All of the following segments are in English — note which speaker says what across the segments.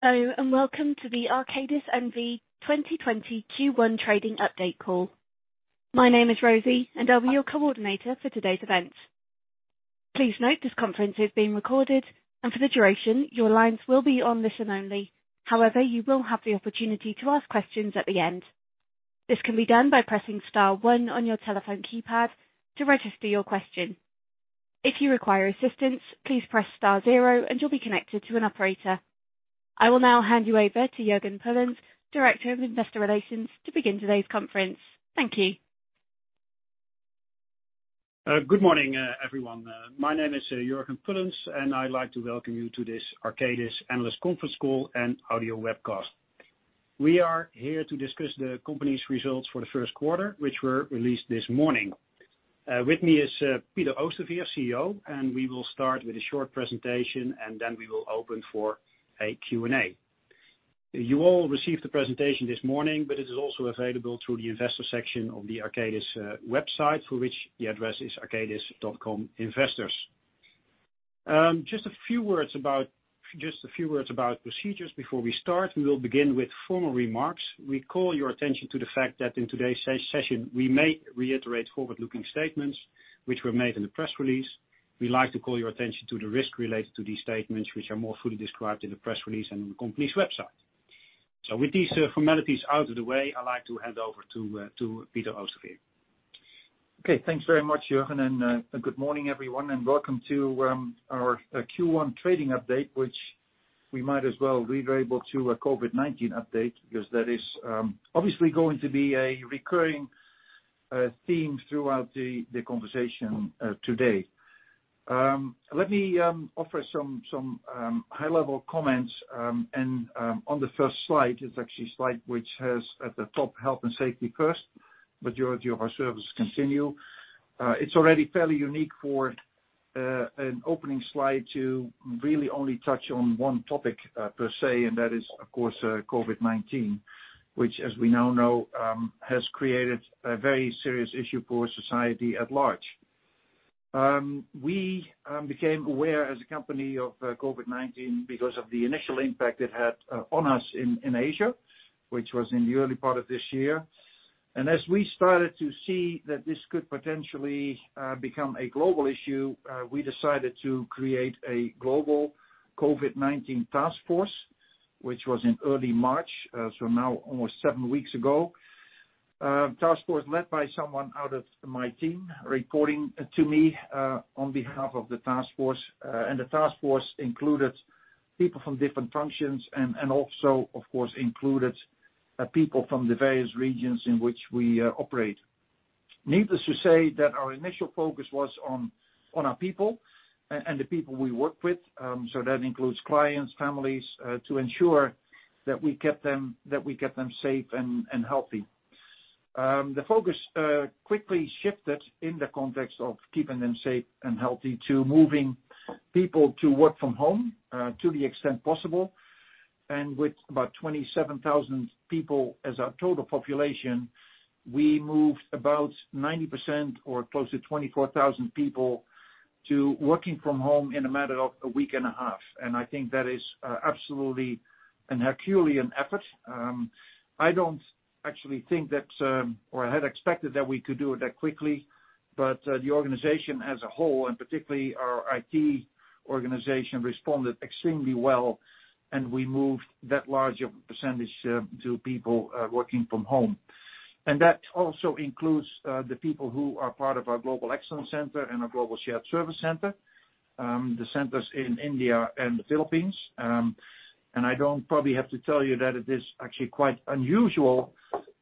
Speaker 1: Hello, and welcome to the Arcadis NV 2020 Q1 trading update call. My name is Rosie, and I'll be your coordinator for today's event. Please note this conference is being recorded, and for the duration, your lines will be on listen only. However, you will have the opportunity to ask questions at the end. This can be done by pressing star one on your telephone keypad to register your question. If you require assistance, please press star zero and you'll be connected to an operator. I will now hand you over to Jurgen Pullens, Director of Investor Relations, to begin today's conference. Thank you.
Speaker 2: Good morning, everyone. My name is Jurgen Pullens, I'd like to welcome you to this Arcadis analyst conference call and audio webcast. We are here to discuss the company's results for the first quarter, which were released this morning. With me is Peter Oosterveer, CEO, we will start with a short presentation, then we will open for a Q&A. You all received the presentation this morning, it is also available through the investor section of the Arcadis website, for which the address is arcadis.com/investors. Just a few words about procedures before we start. We will begin with formal remarks. We call your attention to the fact that in today's session, we may reiterate forward-looking statements which were made in the press release. We like to call your attention to the risk related to these statements, which are more fully described in the press release and on the company's website. With these formalities out of the way, I'd like to hand over to Peter Oosterveer.
Speaker 3: Okay. Thanks very much, Jurgen, and good morning, everyone, and welcome to our Q1 trading update, which we might as well re-label to a COVID-19 update because that is obviously going to be a recurring theme throughout the conversation today. Let me offer some high-level comments. On the first slide, it's actually a slide which has at the top, health and safety first. Majority of our services continue. It's already fairly unique for an opening slide to really only touch on one topic per se, and that is, of course, COVID-19, which as we now know, has created a very serious issue for society at large. We became aware as a company of COVID-19 because of the initial impact it had on us in Asia, which was in the early part of this year. As we started to see that this could potentially become a global issue, we decided to create a global COVID-19 task force, which was in early March, so now almost seven weeks ago. Task force led by someone out of my team, reporting to me, on behalf of the task force. The task force included people from different functions and also, of course, included people from the various regions in which we operate. Needless to say that our initial focus was on our people and the people we work with, so that includes clients, families, to ensure that we kept them safe and healthy. The focus quickly shifted in the context of keeping them safe and healthy to moving people to work from home, to the extent possible. With about 27,000 people as our total population, we moved about 90% or close to 24,000 people to working from home in a matter of a week and a half. I think that is absolutely a Herculean effort. I don't actually think that, or had expected that we could do it that quickly, but the organization as a whole, and particularly our IT organization, responded extremely well and we moved that large of a percentage to people working from home. That also includes the people who are part of our Global Excellence Center and our Global Shared Service Center, the centers in India and the Philippines. I don't probably have to tell you that it is actually quite unusual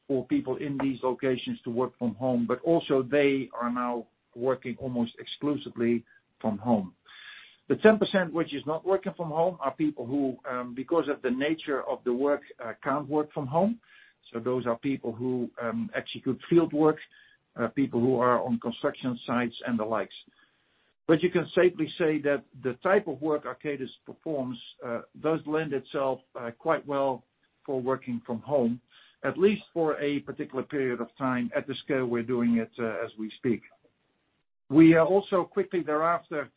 Speaker 3: for people in these locations to work from home, but also they are now working almost exclusively from home. The 10% which is not working from home are people who, because of the nature of the work, can't work from home. Those are people who execute field work, people who are on construction sites and the likes. You can safely say that the type of work Arcadis performs does lend itself quite well for working from home, at least for a particular period of time at the scale we're doing it as we speak. We also quickly thereafter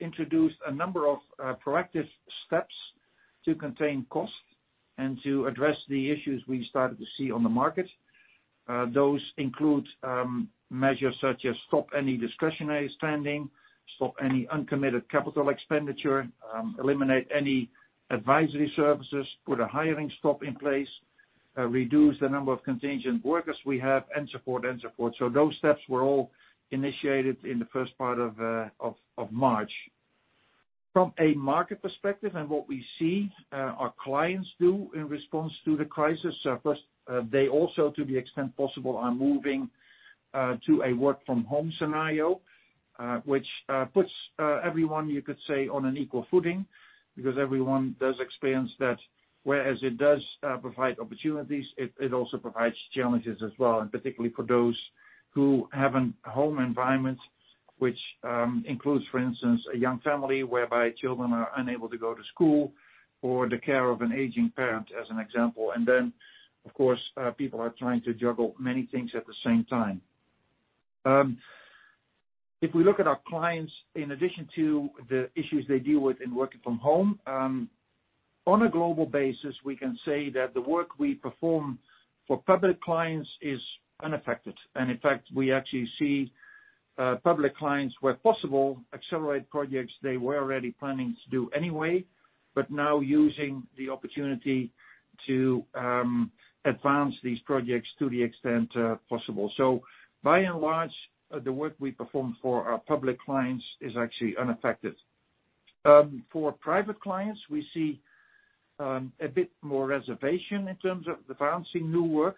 Speaker 3: introduced a number of proactive steps to contain costs and to address the issues we started to see on the market. Those include measures such as stop any discretionary spending, stop any uncommitted capital expenditure, eliminate any advisory services, put a hiring stop in place, reduce the number of contingent workers we have, and so forth. Those steps were all initiated in the first part of March. From a market perspective and what we see our clients do in response to the crisis, first, they also, to the extent possible, are moving to a work from home scenario, which puts everyone, you could say, on an equal footing because everyone does experience that. Whereas it does provide opportunities, it also provides challenges as well, and particularly for those who have a home environment which includes, for instance, a young family whereby children are unable to go to school or the care of an aging parent, as an example. Then, of course, people are trying to juggle many things at the same time. If we look at our clients, in addition to the issues they deal with in working from home, on a global basis, we can say that the work we perform for public clients is unaffected. In fact, we actually see public clients, where possible, accelerate projects they were already planning to do anyway, but now using the opportunity to advance these projects to the extent possible. By and large, the work we perform for our public clients is actually unaffected. For private clients, we see a bit more reservation in terms of advancing new work.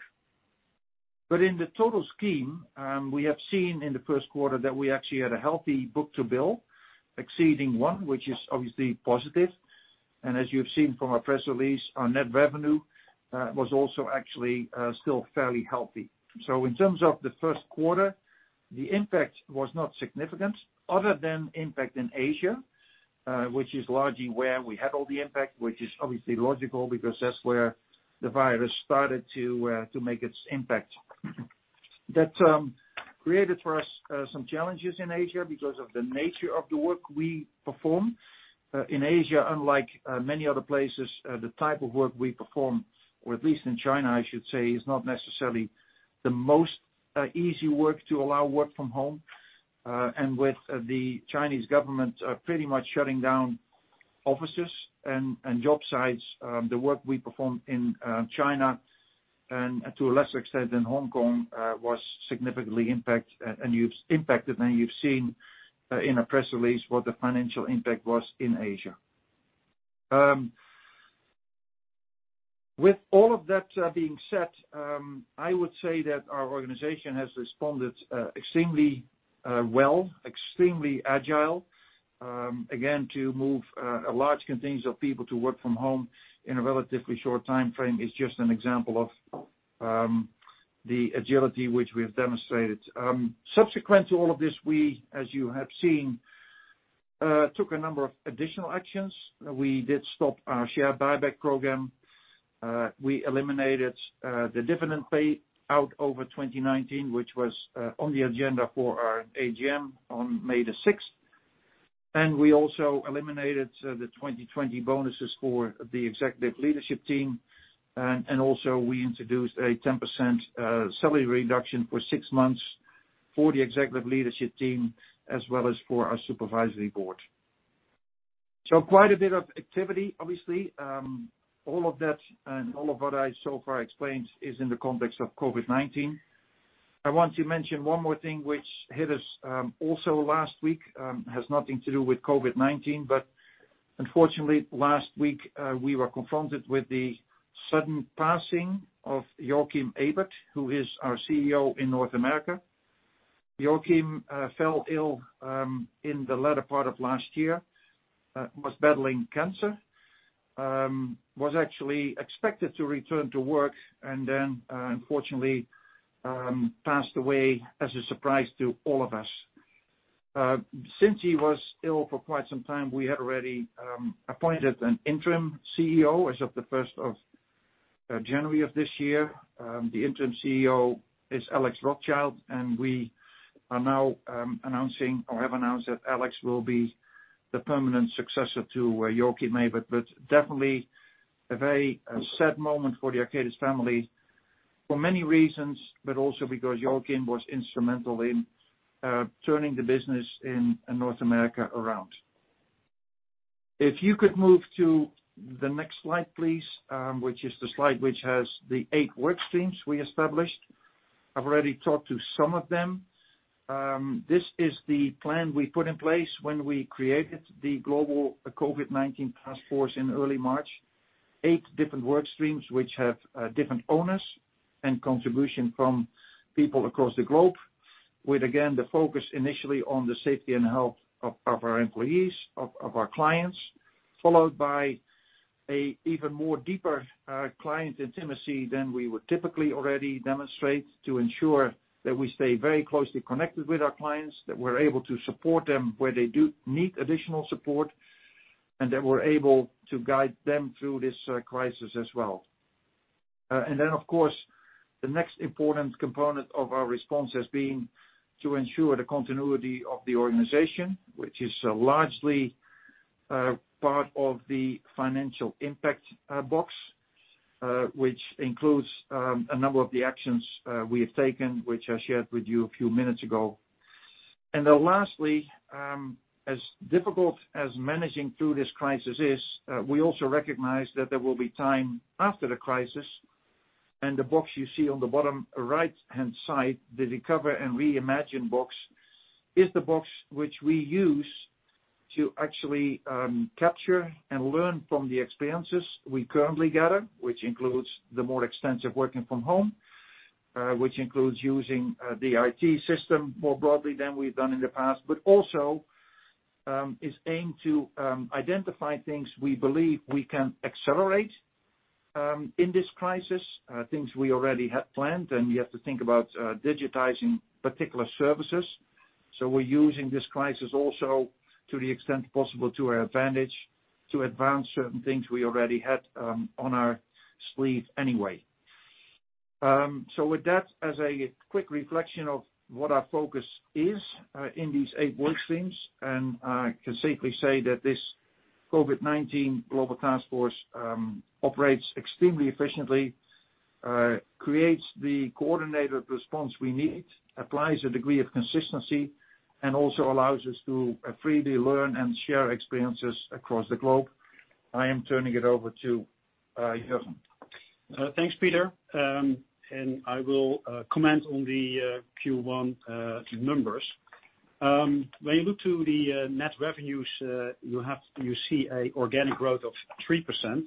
Speaker 3: In the total scheme, we have seen in the first quarter that we actually had a healthy book-to-bill exceeding one, which is obviously positive. As you've seen from our press release, our net revenue was also actually still fairly healthy. In terms of the first quarter, the impact was not significant other than impact in Asia, which is largely where we had all the impact, which is obviously logical because that's where the virus started to make its impact. That created for us some challenges in Asia because of the nature of the work we perform. In Asia, unlike many other places, the type of work we perform, or at least in China, I should say, is not necessarily the most easy work to allow work from home. With the Chinese government pretty much shutting down offices and job sites, the work we performed in China, and to a lesser extent, in Hong Kong, was significantly impacted. You've seen in our press release what the financial impact was in Asia. With all of that being said, I would say that our organization has responded extremely well, extremely agile. Again, to move a large contingency of people to work from home in a relatively short timeframe is just an example of the agility which we have demonstrated. Subsequent to all of this, we, as you have seen, took a number of additional actions. We did stop our share buyback program. We eliminated the dividend pay out over 2019, which was on the agenda for our AGM on May the 6th. We also eliminated the 2020 bonuses for the Executive Leadership Team. Also, we introduced a 10% salary reduction for six months for the Executive Leadership Team, as well as for our Supervisory Board. Quite a bit of activity, obviously. All of that and all of what I so far explained is in the context of COVID-19. I want to mention one more thing which hit us also last week. Has nothing to do with COVID-19, but unfortunately, last week, we were confronted with the sudden passing of Joachim Ebert, who is our CEO in North America. Joachim fell ill in the latter part of last year, was battling cancer. Was actually expected to return to work and then, unfortunately, passed away as a surprise to all of us. Since he was ill for quite some time, we had already appointed an Interim CEO as of the 1st of January of this year. The Interim CEO is Alex Rothchild, and we are now announcing or have announced that Alex will be the permanent successor to Joachim Ebert. Definitely a very sad moment for the Arcadis family for many reasons, but also because Joachim was instrumental in turning the business in North America around. If you could move to the next slide, please, which is the slide which has the eight work streams we established. I've already talked to some of them. This is the plan we put in place when we created the global COVID-19 task force in early March. Eight different work streams, which have different owners and contribution from people across the globe. With, again, the focus initially on the safety and health of our employees, of our clients, followed by an even more deeper client intimacy than we would typically already demonstrate to ensure that we stay very closely connected with our clients, that we're able to support them where they do need additional support, and that we're able to guide them through this crisis as well. Of course, the next important component of our response has been to ensure the continuity of the organization, which is largely part of the financial impact box, which includes a number of the actions we have taken, which I shared with you a few minutes ago. Lastly, as difficult as managing through this crisis is, we also recognize that there will be time after the crisis. The box you see on the bottom right-hand side, the recover and reimagine box, is the box which we use to actually capture and learn from the experiences we currently gather, which includes the more extensive working from home, which includes using the IT system more broadly than we've done in the past, but also is aimed to identify things we believe we can accelerate in this crisis, things we already had planned. We have to think about digitizing particular services. We're using this crisis also, to the extent possible, to our advantage to advance certain things we already had on our sleeve anyway. With that, as a quick reflection of what our focus is in these eight work streams, and I can safely say that this COVID-19 global task force operates extremely efficiently, creates the coordinated response we need, applies a degree of consistency, and also allows us to freely learn and share experiences across the globe. I am turning it over to Jurgen.
Speaker 2: Thanks, Peter. I will comment on the Q1 numbers. When you look to the net revenues, you see an organic growth of 3%.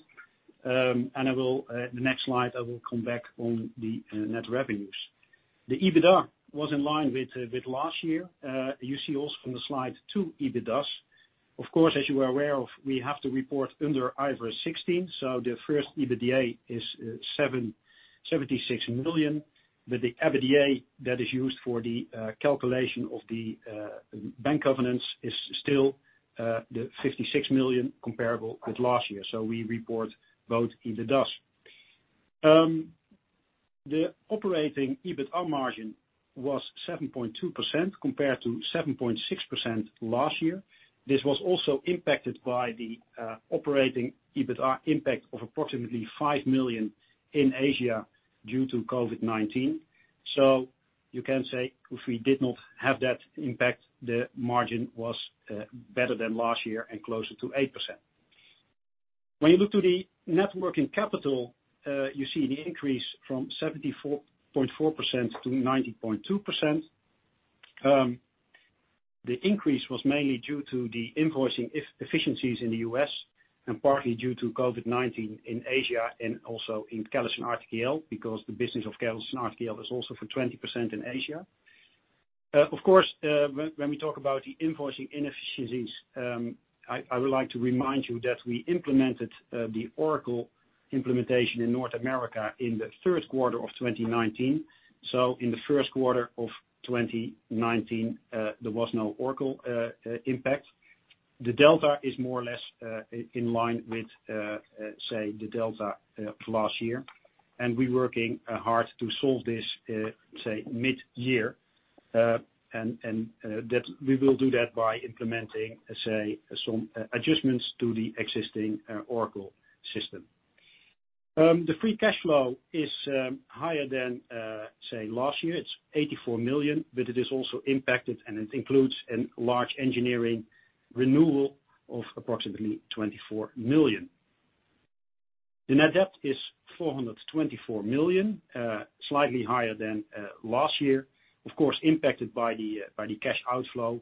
Speaker 2: The next slide, I will come back on the net revenues. The EBITDA was in line with last year. You see also from the slide two EBITDAs. Of course, as you are aware of, we have to report under IFRS 16, so the first EBITDA is 76 million, but the EBITDA that is used for the calculation of the bank covenants is still the 56 million comparable with last year. We report both EBITDAs. The operating EBITDA margin was 7.2% compared to 7.6% last year. This was also impacted by the operating EBITDA impact of approximately 5 million in Asia due to COVID-19. You can say, if we did not have that impact, the margin was better than last year and closer to 8%. When you look to the net working capital, you see the increase from 74.4% to 90.2%. The increase was mainly due to the invoicing efficiencies in the U.S. and partly due to COVID-19 in Asia and also in CallisonRTKL, because the business of CallisonRTKL is also for 20% in Asia. Of course, when we talk about the invoicing inefficiencies, I would like to remind you that we implemented the Oracle implementation in North America in the third quarter of 2019. In the first quarter of 2019, there was no Oracle impact. The delta is more or less in line with the delta last year. We're working hard to solve this mid-year. We will do that by implementing some adjustments to the existing Oracle system. The free cash flow is higher than last year. It's 84 million. It is also impacted and it includes a large engineering renewal of approximately 24 million. The net debt is 424 million, slightly higher than last year. Of course, impacted by the cash outflow,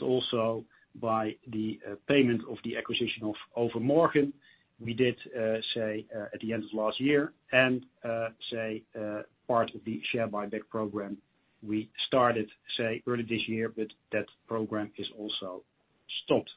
Speaker 2: also by the payment of the acquisition of Over Morgen we did at the end of last year and part of the share buyback program we started early this year. That program is also stopped.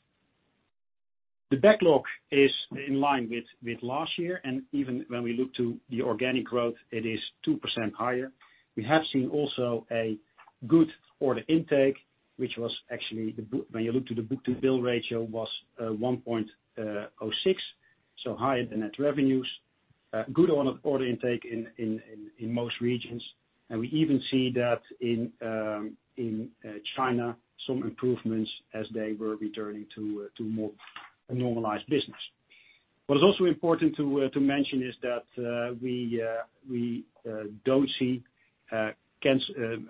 Speaker 2: The backlog is in line with last year. Even when we look to the organic growth, it is 2% higher. We have seen also a good order intake, which was actually when you look to the book-to-bill ratio, was 1.06x, higher than net revenues. Good order intake in most regions. We even see that in China, some improvements as they were returning to more normalized business. What is also important to mention is that we don't see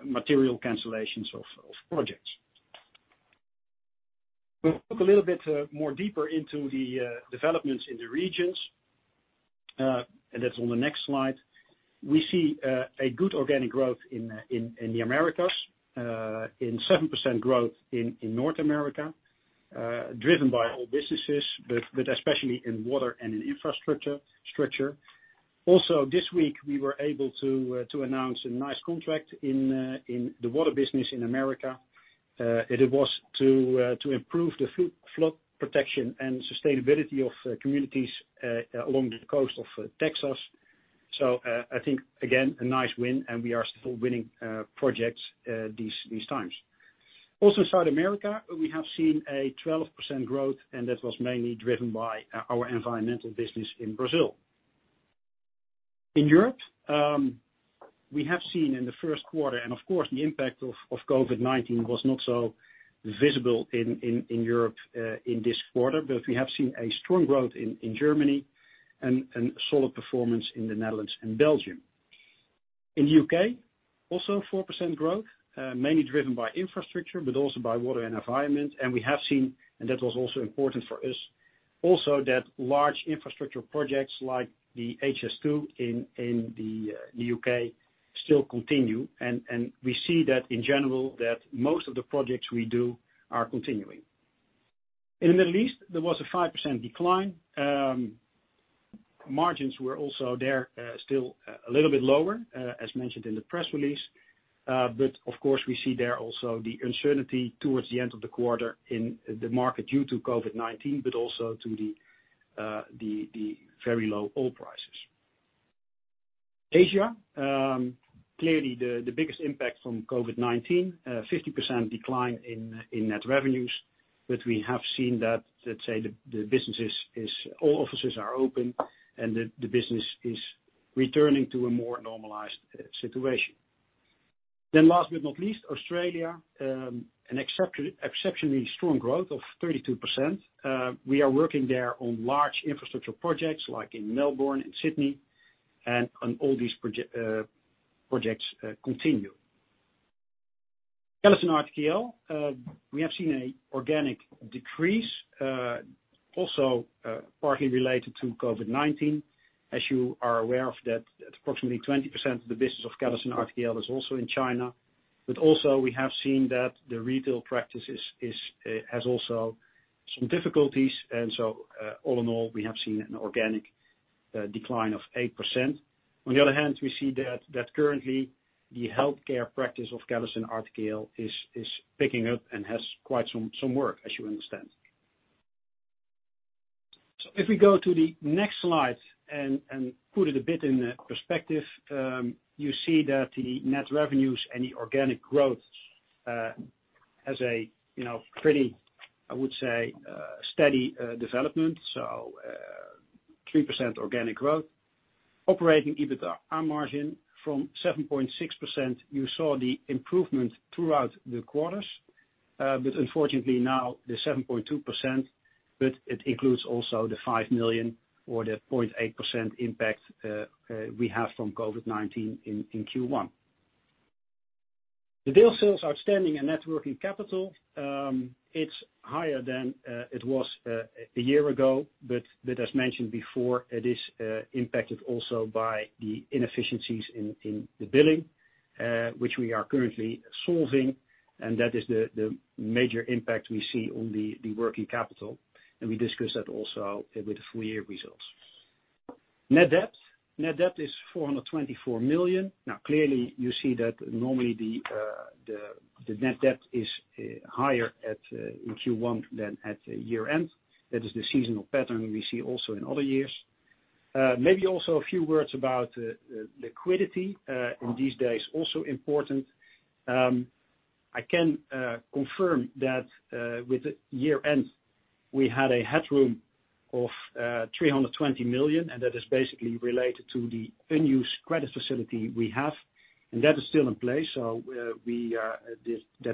Speaker 2: material cancellations of projects. We'll look a little bit more deeper into the developments in the regions, that's on the next slide. We see a good organic growth in the Americas, in 7% growth in North America, driven by all businesses, especially in water and in infrastructure. Also this week, we were able to announce a nice contract in the water business in America. It was to improve the flood protection and sustainability of communities along the coast of Texas. I think again, a nice win, and we are still winning projects these times. South America, we have seen a 12% growth, and that was mainly driven by our environmental business in Brazil. In Europe, we have seen in the first quarter, and of course, the impact of COVID-19 was not so visible in Europe in this quarter. We have seen a strong growth in Germany and solid performance in the Netherlands and Belgium. In the U.K., also 4% growth, mainly driven by infrastructure, but also by water and environment. We have seen, and that was also important for us, also that large infrastructure projects like the HS2 in the U.K. still continue, and we see that in general that most of the projects we do are continuing. In the Middle East, there was a 5% decline. Margins were also there, still a little bit lower, as mentioned in the press release. Of course, we see there also the uncertainty towards the end of the quarter in the market due to COVID-19, but also to the very low oil prices. Asia, clearly the biggest impact from COVID-19, 50% decline in net revenues. We have seen that, let's say the businesses is, all offices are open and the business is returning to a more normalized situation. Last but not least, Australia, an exceptionally strong growth of 32%. We are working there on large infrastructure projects like in Melbourne and Sydney and on all these projects continue. CallisonRTKL, we have seen a organic decrease, also, partly related to COVID-19, as you are aware of that approximately 20% of the business of CallisonRTKL is also in China. Also we have seen that the retail practice has also some difficulties and so, all in all, we have seen an organic decline of 8%. On the other hand, we see that currently, the healthcare practice of CallisonRTKL is picking up and has quite some work, as you understand. If we go to the next slide and put it a bit in perspective, you see that the net revenues and the organic growth has a pretty, I would say, steady development. 3% organic growth. Operating EBITDA margin from 7.6%, you saw the improvement throughout the quarters. Unfortunately now the 7.2%. It includes also the 5 million or the 0.8% impact we have from COVID-19 in Q1. The day sales outstanding and net working capital, it's higher than it was a year ago, but as mentioned before, it is impacted also by the inefficiencies in the billing, which we are currently solving. That is the major impact we see on the working capital, and we discuss that also with the full year results. Net debt is 424 million. Clearly you see that normally the net debt is higher in Q1 than at year-end. That is the seasonal pattern we see also in other years. Maybe also a few words about liquidity, in these days, also important. I can confirm that with year-end, we had a headroom of 320 million, and that is basically related to the unused credit facility we have, and that is still in place. That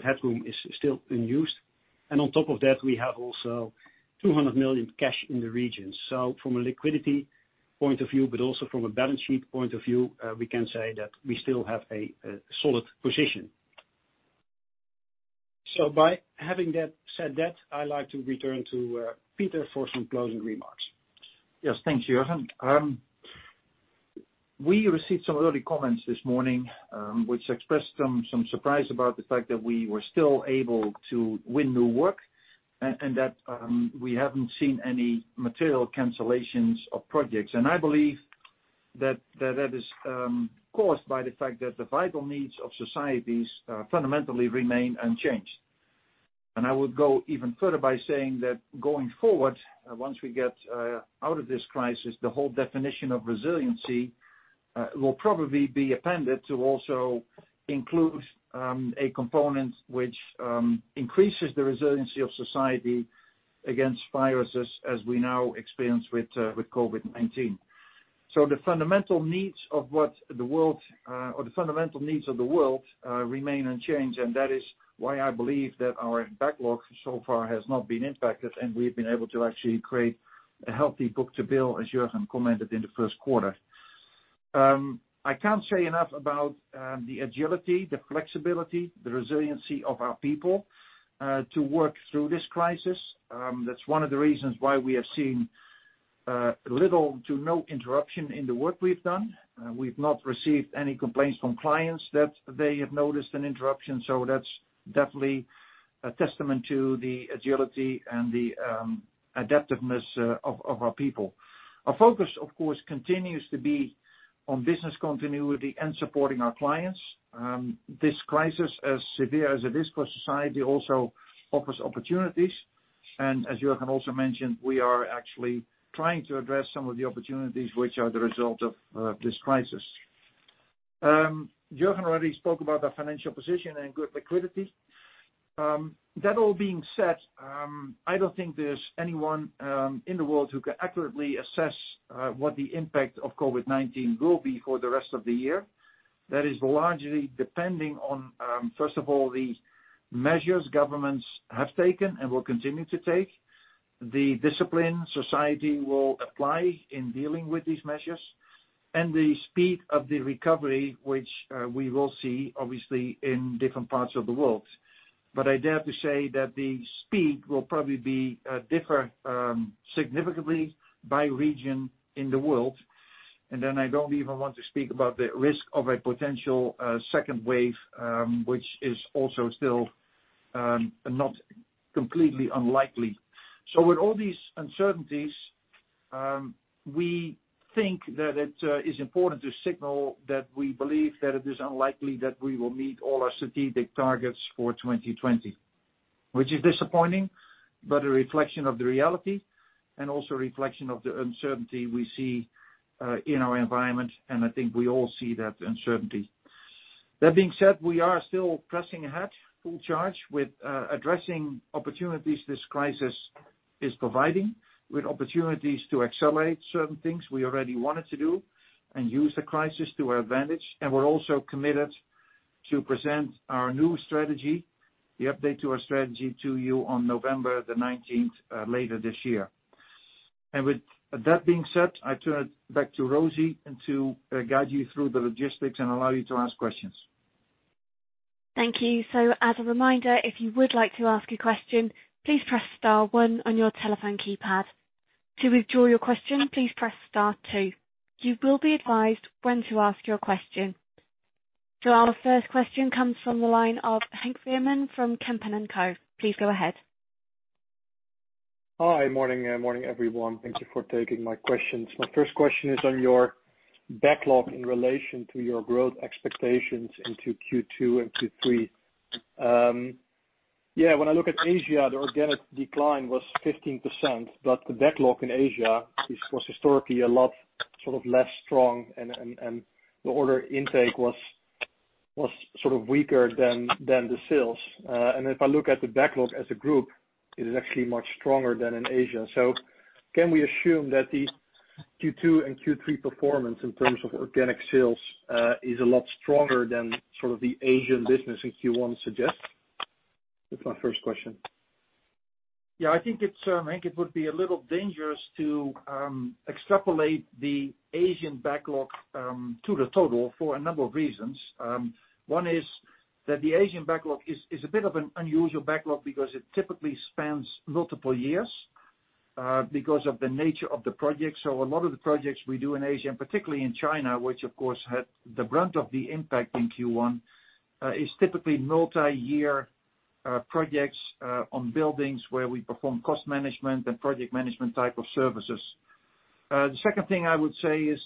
Speaker 2: headroom is still in use. On top of that, we have also 200 million cash in the region. From a liquidity point of view, but also from a balance sheet point of view, we can say that we still have a solid position. By having said that, I'd like to return to Peter for some closing remarks.
Speaker 3: Yes. Thank you, Jurgen. We received some early comments this morning, which expressed some surprise about the fact that we were still able to win new work and that we haven't seen any material cancellations of projects. I believe that is caused by the fact that the vital needs of societies fundamentally remain unchanged. I would go even further by saying that going forward, once we get out of this crisis, the whole definition of resiliency, will probably be appended to also include a component which increases the resiliency of society against viruses as we now experience with COVID-19. The fundamental needs of the world remain unchanged, and that is why I believe that our backlog so far has not been impacted and we've been able to actually create a healthy book-to-bill, as Jurgen commented in the first quarter. I can't say enough about the agility, the flexibility, the resiliency of our people, to work through this crisis. That's one of the reasons why we have seen little to no interruption in the work we've done. We've not received any complaints from clients that they have noticed an interruption. That's definitely a testament to the agility and the adaptiveness of our people. Our focus, of course, continues to be on business continuity and supporting our clients. This crisis, as severe as it is for society, also offers opportunities. As Jurgen also mentioned, we are actually trying to address some of the opportunities which are the result of this crisis. Jurgen already spoke about our financial position and good liquidity. That all being said, I don't think there's anyone in the world who can accurately assess what the impact of COVID-19 will be for the rest of the year. That is largely depending on, first of all, the measures governments have taken and will continue to take, the discipline society will apply in dealing with these measures, and the speed of the recovery, which we will see obviously in different parts of the world. I dare to say that the speed will probably differ significantly by region in the world, and then I don't even want to speak about the risk of a potential second wave, which is also still not completely unlikely. With all these uncertainties, we think that it is important to signal that we believe that it is unlikely that we will meet all our strategic targets for 2020, which is disappointing, but a reflection of the reality and also a reflection of the uncertainty we see in our environment. I think we all see that uncertainty. That being said, we are still pressing ahead full charge with addressing opportunities this crisis is providing, with opportunities to accelerate certain things we already wanted to do and use the crisis to our advantage. We're also committed to present our new strategy, the update to our strategy to you on November the 19th, later this year. With that being said, I turn it back to Rosie and to guide you through the logistics and allow you to ask questions.
Speaker 1: Thank you. As a reminder, if you would like to ask a question, please press star one on your telephone keypad. To withdraw your question, please press star two. You will be advised when to ask your question. Our first question comes from the line of Henk Veerman from Kempen & Co. Please go ahead.
Speaker 4: Hi. Morning everyone. Thank you for taking my questions. My first question is on your backlog in relation to your growth expectations into Q2 and Q3. Yeah, when I look at Asia, the organic decline was 15%, but the backlog in Asia was historically a lot sort of less strong and the order intake was sort of weaker than the sales. If I look at the backlog as a group, it is actually much stronger than in Asia. Can we assume that the Q2 and Q3 performance in terms of organic sales, is a lot stronger than sort of the Asian business in Q1 suggest? That's my first question.
Speaker 2: Yeah, I think, Henk, it would be a little dangerous to extrapolate the Asian backlog, to the total for a number of reasons. One is that the Asian backlog is a bit of an unusual backlog because it typically spans multiple years, because of the nature of the project. A lot of the projects we do in Asia, and particularly in China, which of course had the brunt of the impact in Q1, is typically multi-year projects on buildings where we perform cost management and project management type of services. The second thing I would say is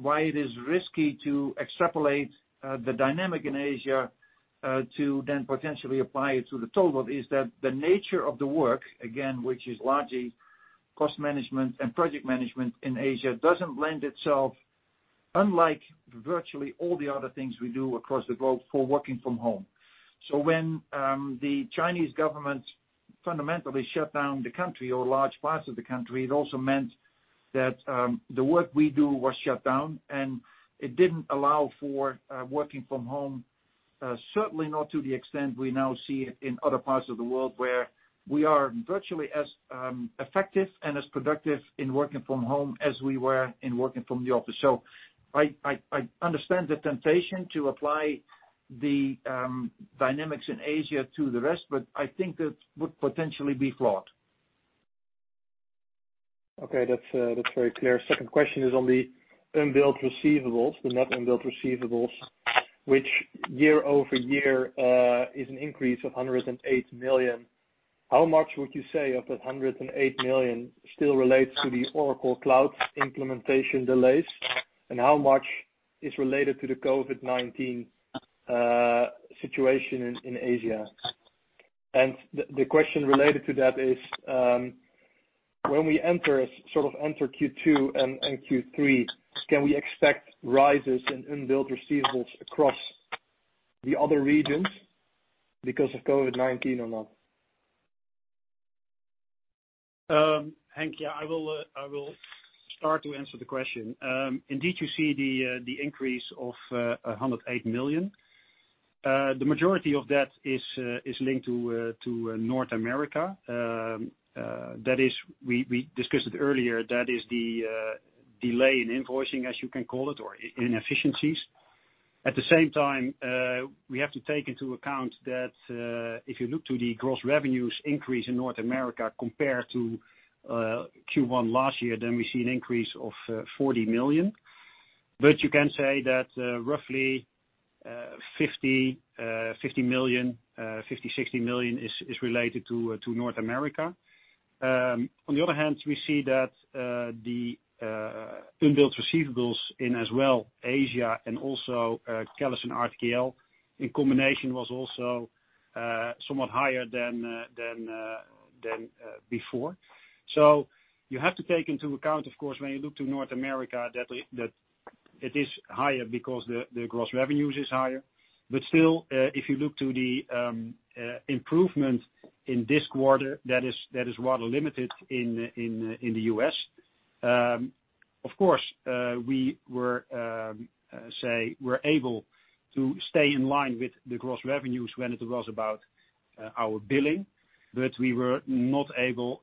Speaker 2: why it is risky to extrapolate the dynamic in Asia to then potentially apply it to the total, is that the nature of the work, again, which is largely cost management and project management in Asia, doesn't lend itself, unlike virtually all the other things we do across the globe, for working from home. When the Chinese government fundamentally shut down the country or large parts of the country, it also meant that the work we do was shut down, and it didn't allow for working from home. Certainly not to the extent we now see it in other parts of the world, where we are virtually as effective and as productive in working from home as we were in working from the office. I understand the temptation to apply the dynamics in Asia to the rest, but I think that would potentially be flawed.
Speaker 4: Okay. That's very clear. Second question is on the unbilled receivables, the net unbilled receivables, which year-over-year, is an increase of 108 million. How much would you say of that 108 million still relates to the Oracle Cloud implementation delays, and how much is related to the COVID-19 situation in Asia? The question related to that is, when we enter Q2 and Q3, can we expect rises in unbilled receivables across the other regions because of COVID-19 or not?
Speaker 2: Henk, yeah, I will start to answer the question. You see the increase of 108 million. The majority of that is linked to North America. We discussed it earlier, that is the delay in invoicing, as you can call it, or inefficiencies. At the same time, we have to take into account that, if you look to the gross revenues increase in North America compared to Q1 last year, then we see an increase of 40 million. You can say that roughly 50 million-60 million is related to North America. On the other hand, we see that the unbilled receivables in as well Asia and also CallisonRTKL in combination was also somewhat higher than before. You have to take into account, of course, when you look to North America, that it is higher because the gross revenues is higher. Still, if you look to the improvement in this quarter, that is rather limited in the U.S. Of course, we were able to stay in line with the gross revenues when it was about our billing, we were not able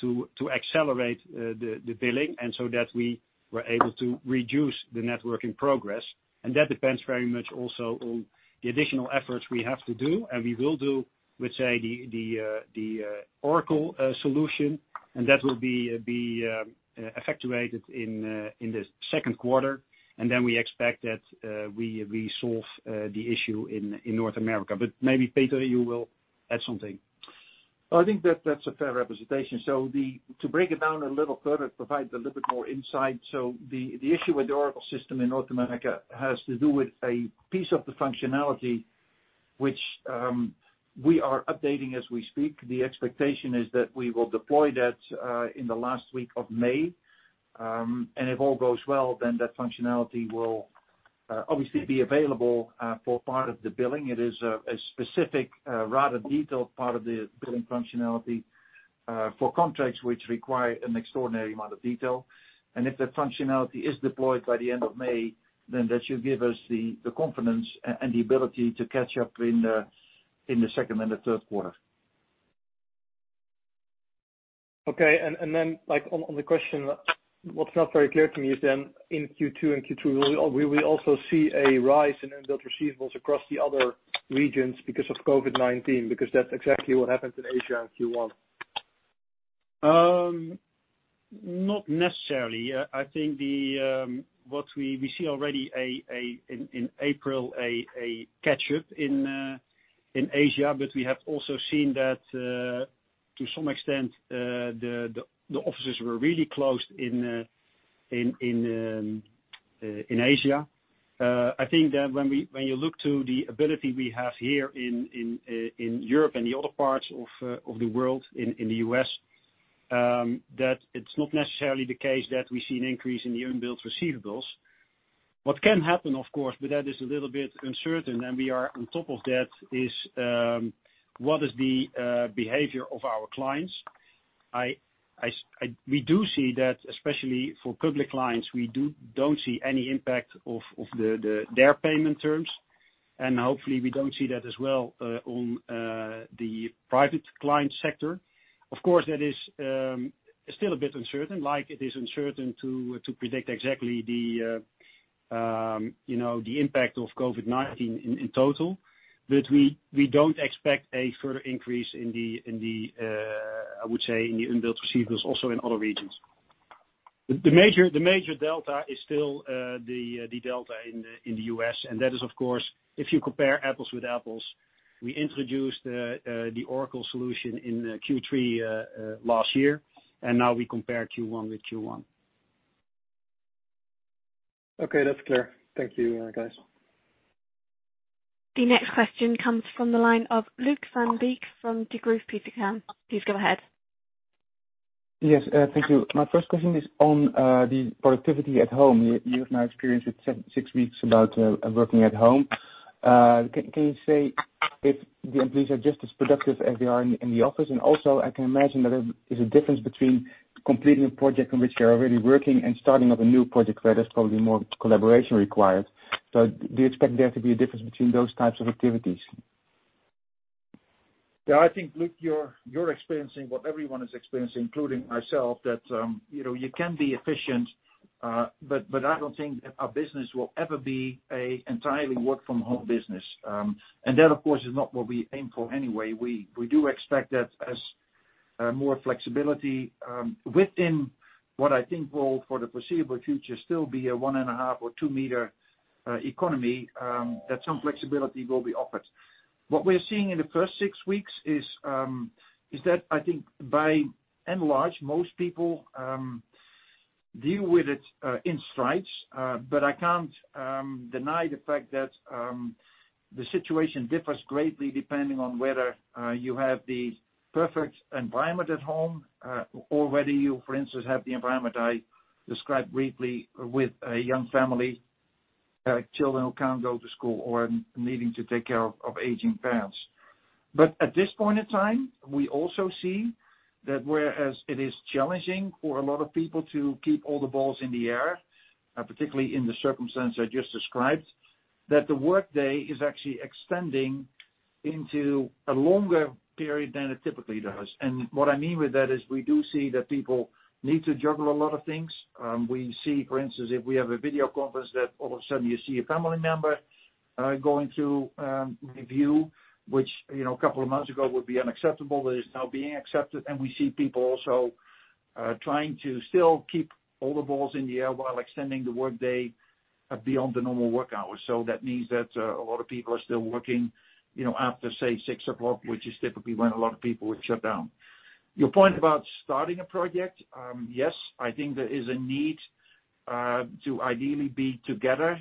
Speaker 2: to accelerate the billing and so that we were able to reduce the net working progress. That depends very much also on the additional efforts we have to do and we will do with, say, the Oracle solution, that will be effectuated in the second quarter, then we expect that we solve the issue in North America. Maybe, Peter, you will add something.
Speaker 3: I think that's a fair representation. To break it down a little further, provide a little bit more insight. The issue with the Oracle system in North America has to do with a piece of the functionality Which we are updating as we speak. The expectation is that we will deploy that in the last week of May, and if all goes well, then that functionality will obviously be available for part of the billing. It is a specific, rather detailed part of the billing functionality for contracts which require an extraordinary amount of detail. If that functionality is deployed by the end of May, then that should give us the confidence and the ability to catch up in the second and the third quarter.
Speaker 4: Okay. On the question, what's not very clear to me is then in Q2 and Q3, will we also see a rise in unbilled receivables across the other regions because of COVID-19? That's exactly what happened in Asia in Q1.
Speaker 2: Not necessarily. I think what we see already in April, a catch-up in Asia. We have also seen that to some extent, the offices were really closed in Asia. I think that when you look to the ability we have here in Europe and the other parts of the world, in the U.S., that it's not necessarily the case that we see an increase in the unbilled receivables. What can happen, of course, but that is a little bit uncertain, and we are on top of that, is what is the behavior of our clients? We do see that, especially for public clients, we don't see any impact of their payment terms. Hopefully, we don't see that as well on the private client sector. Of course, that is still a bit uncertain, like it is uncertain to predict exactly the impact of COVID-19 in total. We don't expect a further increase in the, I would say, in the unbilled receivables also in other regions. The major delta is still the delta in the U.S., and that is, of course, if you compare apples with apples, we introduced the Oracle solution in Q3 last year, and now we compare Q1 with Q1.
Speaker 4: Okay, that's clear. Thank you, guys.
Speaker 1: The next question comes from the line of Luuk van Beek from Degroof Petercam. Please go ahead.
Speaker 5: Yes. Thank you. My first question is on the productivity at home. You have now experienced six weeks about working at home. Can you say if the employees are just as productive as they are in the office? Also, I can imagine that there is a difference between completing a project on which they are already working and starting up a new project where there's probably more collaboration required. Do you expect there to be a difference between those types of activities?
Speaker 3: Yeah, I think, Luuk, you're experiencing what everyone is experiencing, including myself, that you can be efficient, but I don't think that our business will ever be an entirely work from home business. That, of course, is not what we aim for anyway. We do expect that as more flexibility within what I think will, for the foreseeable future, still be a 1.5 or 2 m economy, that some flexibility will be offered. What we're seeing in the first six weeks is that I think by and large, most people deal with it in strides. I can't deny the fact that the situation differs greatly depending on whether you have the perfect environment at home or whether you, for instance, have the environment I described briefly with a young family, children who can't go to school or needing to take care of aging parents. At this point in time, we also see that whereas it is challenging for a lot of people to keep all the balls in the air, particularly in the circumstance I just described, that the workday is actually extending into a longer period than it typically does. What I mean with that is we do see that people need to juggle a lot of things. We see, for instance, if we have a video conference that all of a sudden you see a family member going through review, which a couple of months ago would be unacceptable, but it is now being accepted. We see people also trying to still keep all the balls in the air while extending the workday beyond the normal work hours. That means that a lot of people are still working after, say, 6:00 P.M., which is typically when a lot of people would shut down. Your point about starting a project, yes, I think there is a need to ideally be together,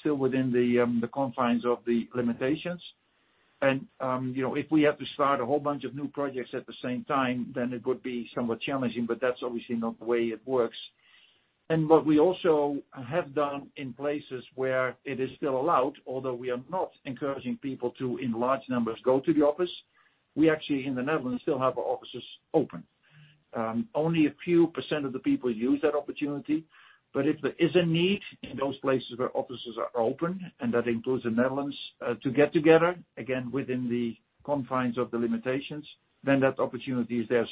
Speaker 3: still within the confines of the limitations. If we have to start a whole bunch of new projects at the same time, then it would be somewhat challenging, but that's obviously not the way it works. What we also have done in places where it is still allowed, although we are not encouraging people to, in large numbers, go to the office, we actually, in the Netherlands, still have our offices open. Only a few percent of the people use that opportunity, but if there is a need in those places where offices are open, and that includes the Netherlands, to get together, again, within the confines of the limitations, then that opportunity is there.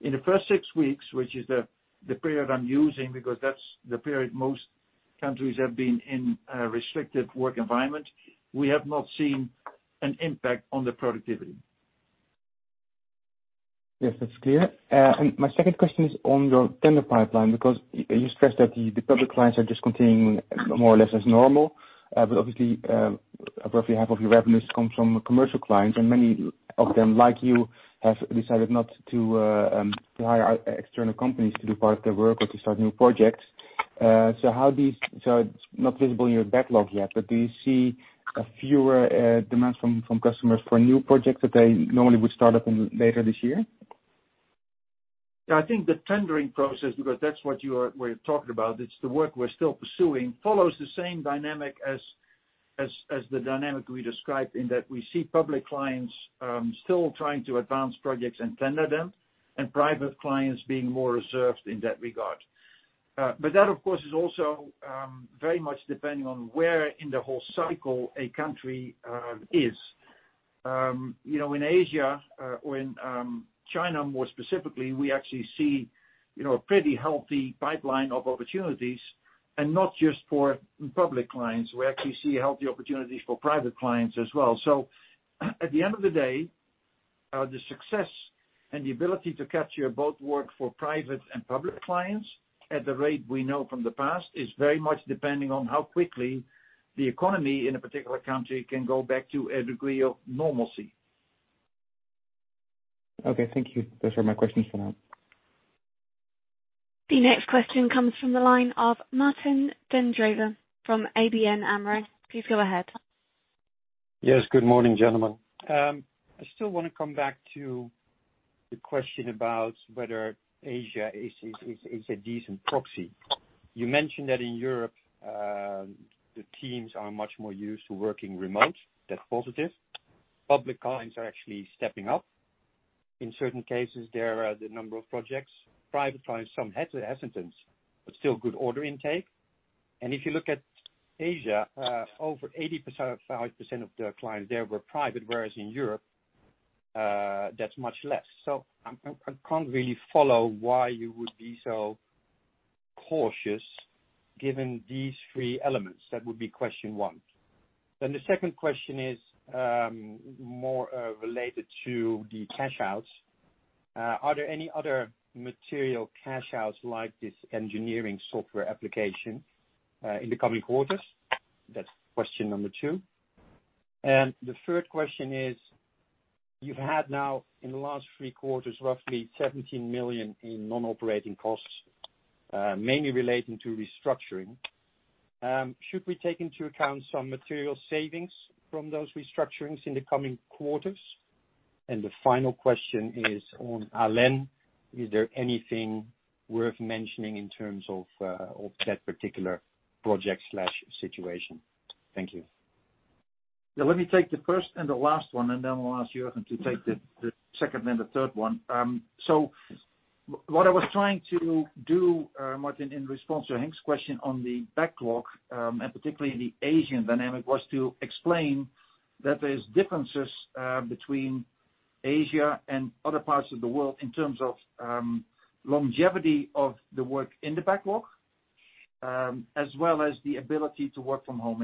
Speaker 3: In the first six weeks, which is the period I'm using, because that's the period most countries have been in a restricted work environment, we have not seen an impact on the productivity.
Speaker 5: Yes, that's clear. My second question is on your tender pipeline, because you stressed that the public clients are just continuing more or less as normal. Obviously, roughly half of your revenues come from commercial clients, and many of them, like you, have decided not to hire external companies to do part of their work or to start new projects. It's not visible in your backlog yet, but do you see fewer demands from customers for new projects that they normally would start up later this year?
Speaker 3: I think the tendering process, because that's what you were talking about, it's the work we're still pursuing, follows the same dynamic as the dynamic we described in that we see public clients still trying to advance projects and tender them, and private clients being more reserved in that regard. That, of course, is also very much depending on where in the whole cycle a country is. In Asia or in China, more specifically, we actually see a pretty healthy pipeline of opportunities. Not just for public clients, we actually see healthy opportunities for private clients as well. At the end of the day, the success and the ability to capture both work for private and public clients at the rate we know from the past is very much depending on how quickly the economy in a particular country can go back to a degree of normalcy.
Speaker 5: Okay. Thank you. Those were my questions for now.
Speaker 1: The next question comes from the line of Martijn den Drijver from ABN AMRO. Please go ahead.
Speaker 6: Yes. Good morning, gentlemen. I still want to come back to the question about whether Asia is a decent proxy. You mentioned that in Europe, the teams are much more used to working remote. That's positive. Public clients are actually stepping up. In certain cases, there are the number of projects. Private clients, some hesitance, still good order intake. If you look at Asia, over 85% of the clients there were private, whereas in Europe, that's much less. I can't really follow why you would be so cautious given these three elements. That would be question one. The second question is more related to the cash outs. Are there any other material cash outs like this engineering software application in the coming quarters? That's question number two. The third question is, you've had now, in the last three quarters, roughly 70 million in non-operating costs, mainly relating to restructuring. Should we take into account some material savings from those restructurings in the coming quarters? The final question is on ALEN. Is there anything worth mentioning in terms of that particular project/situation? Thank you.
Speaker 3: Let me take the first and the last one, and then we'll ask Jurgen to take the second and the third one. What I was trying to do, Martijn, in response to Henk's question on the backlog, and particularly the Asian dynamic, was to explain that there's differences between Asia and other parts of the world in terms of longevity of the work in the backlog, as well as the ability to work from home.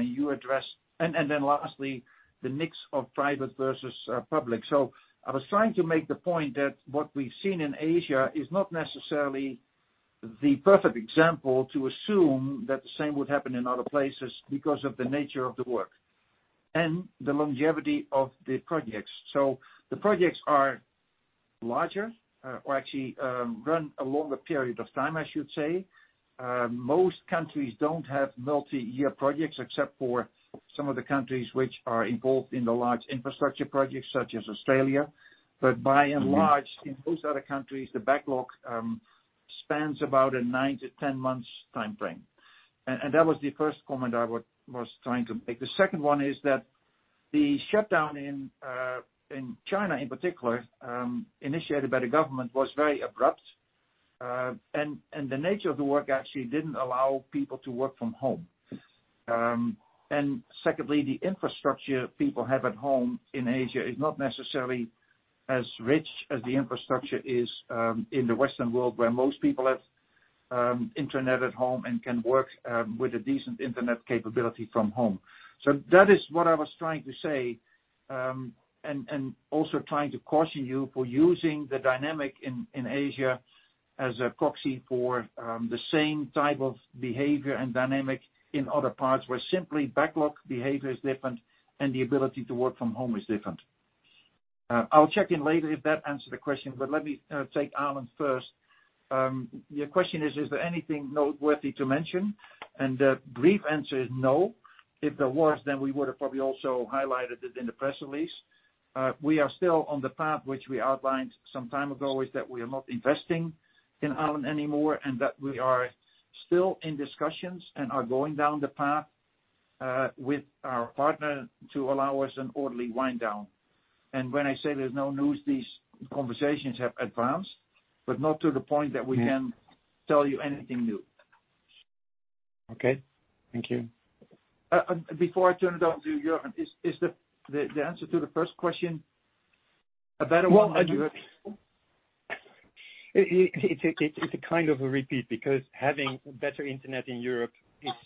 Speaker 3: Lastly, the mix of private versus public. I was trying to make the point that what we've seen in Asia is not necessarily the perfect example to assume that the same would happen in other places because of the nature of the work and the longevity of the projects. The projects are larger or actually run a longer period of time, I should say. Most countries don't have multi-year projects except for some of the countries which are involved in the large infrastructure projects such as Australia. By and large, in most other countries, the backlog spans about a nine to 10 months timeframe. That was the first comment I was trying to make. The second one is that the shutdown in China in particular, initiated by the government, was very abrupt. The nature of the work actually didn't allow people to work from home. Secondly, the infrastructure people have at home in Asia is not necessarily as rich as the infrastructure is in the Western world, where most people have internet at home and can work with a decent internet capability from home. That is what I was trying to say, and also trying to caution you for using the dynamic in Asia as a proxy for the same type of behavior and dynamic in other parts where simply backlog behavior is different and the ability to work from home is different. I'll check in later if that answered the question, but let me take ALEN first. Your question is there anything noteworthy to mention? The brief answer is no. If there was, then we would have probably also highlighted it in the press release. We are still on the path which we outlined some time ago, is that we are not investing in ALEN anymore, and that we are still in discussions and are going down the path with our partner to allow us an orderly wind down. When I say there's no news, these conversations have advanced, but not to the point that we can tell you anything new.
Speaker 6: Okay. Thank you.
Speaker 3: Before I turn it on to Jurgen, is the answer to the first question a better one than Europe?
Speaker 6: It's a kind of a repeat, because having better internet in Europe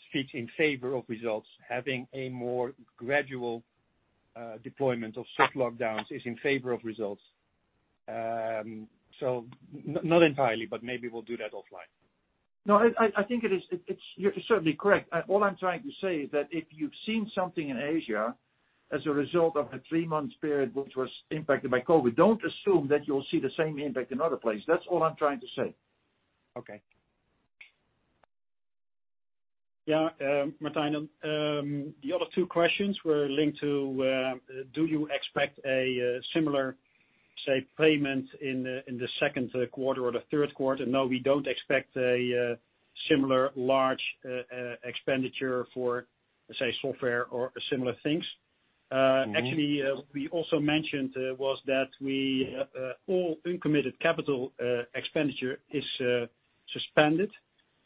Speaker 6: speaks in favor of results. Having a more gradual deployment of soft lockdowns is in favor of results. Not entirely, but maybe we'll do that offline.
Speaker 3: No, I think you're certainly correct. All I'm trying to say is that if you've seen something in Asia as a result of the three-month period, which was impacted by COVID. Don't assume that you'll see the same impact in other places. That's all I'm trying to say.
Speaker 6: Okay.
Speaker 2: Yeah, Martijn. The other two questions were linked to, do you expect a similar, say, payment in the second quarter or the third quarter? No, we don't expect a similar large expenditure for, let's say, software or similar things. Actually, we also mentioned was that all uncommitted capital expenditure is suspended.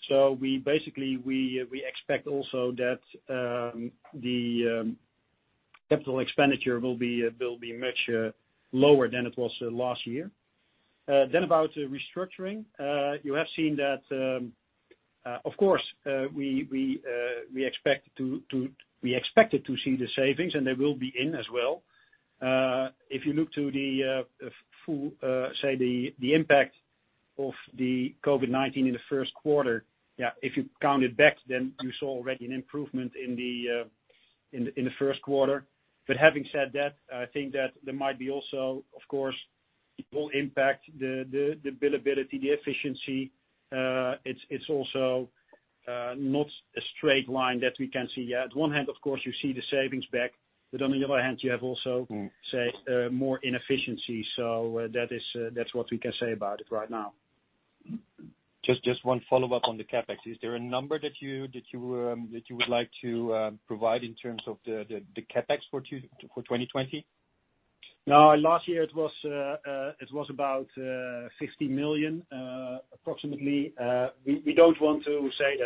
Speaker 2: Basically, we expect also that the capital expenditure will be much lower than it was last year. About restructuring, you have seen that, of course, we expected to see the savings, they will be in as well. If you look to the full, say, the impact of the COVID-19 in the first quarter, if you count it back, you saw already an improvement in the first quarter. Having said that, I think that there might be also, of course, it will impact the billability, the efficiency. It's also not a straight line that we can see yet. One hand, of course, you see the savings back, on the other hand, you have also say, more inefficiency. That's what we can say about it right now.
Speaker 6: Just one follow-up on the CapEx. Is there a number that you would like to provide in terms of the CapEx for 2020?
Speaker 2: No. Last year, it was about 50 million, approximately. We don't want to say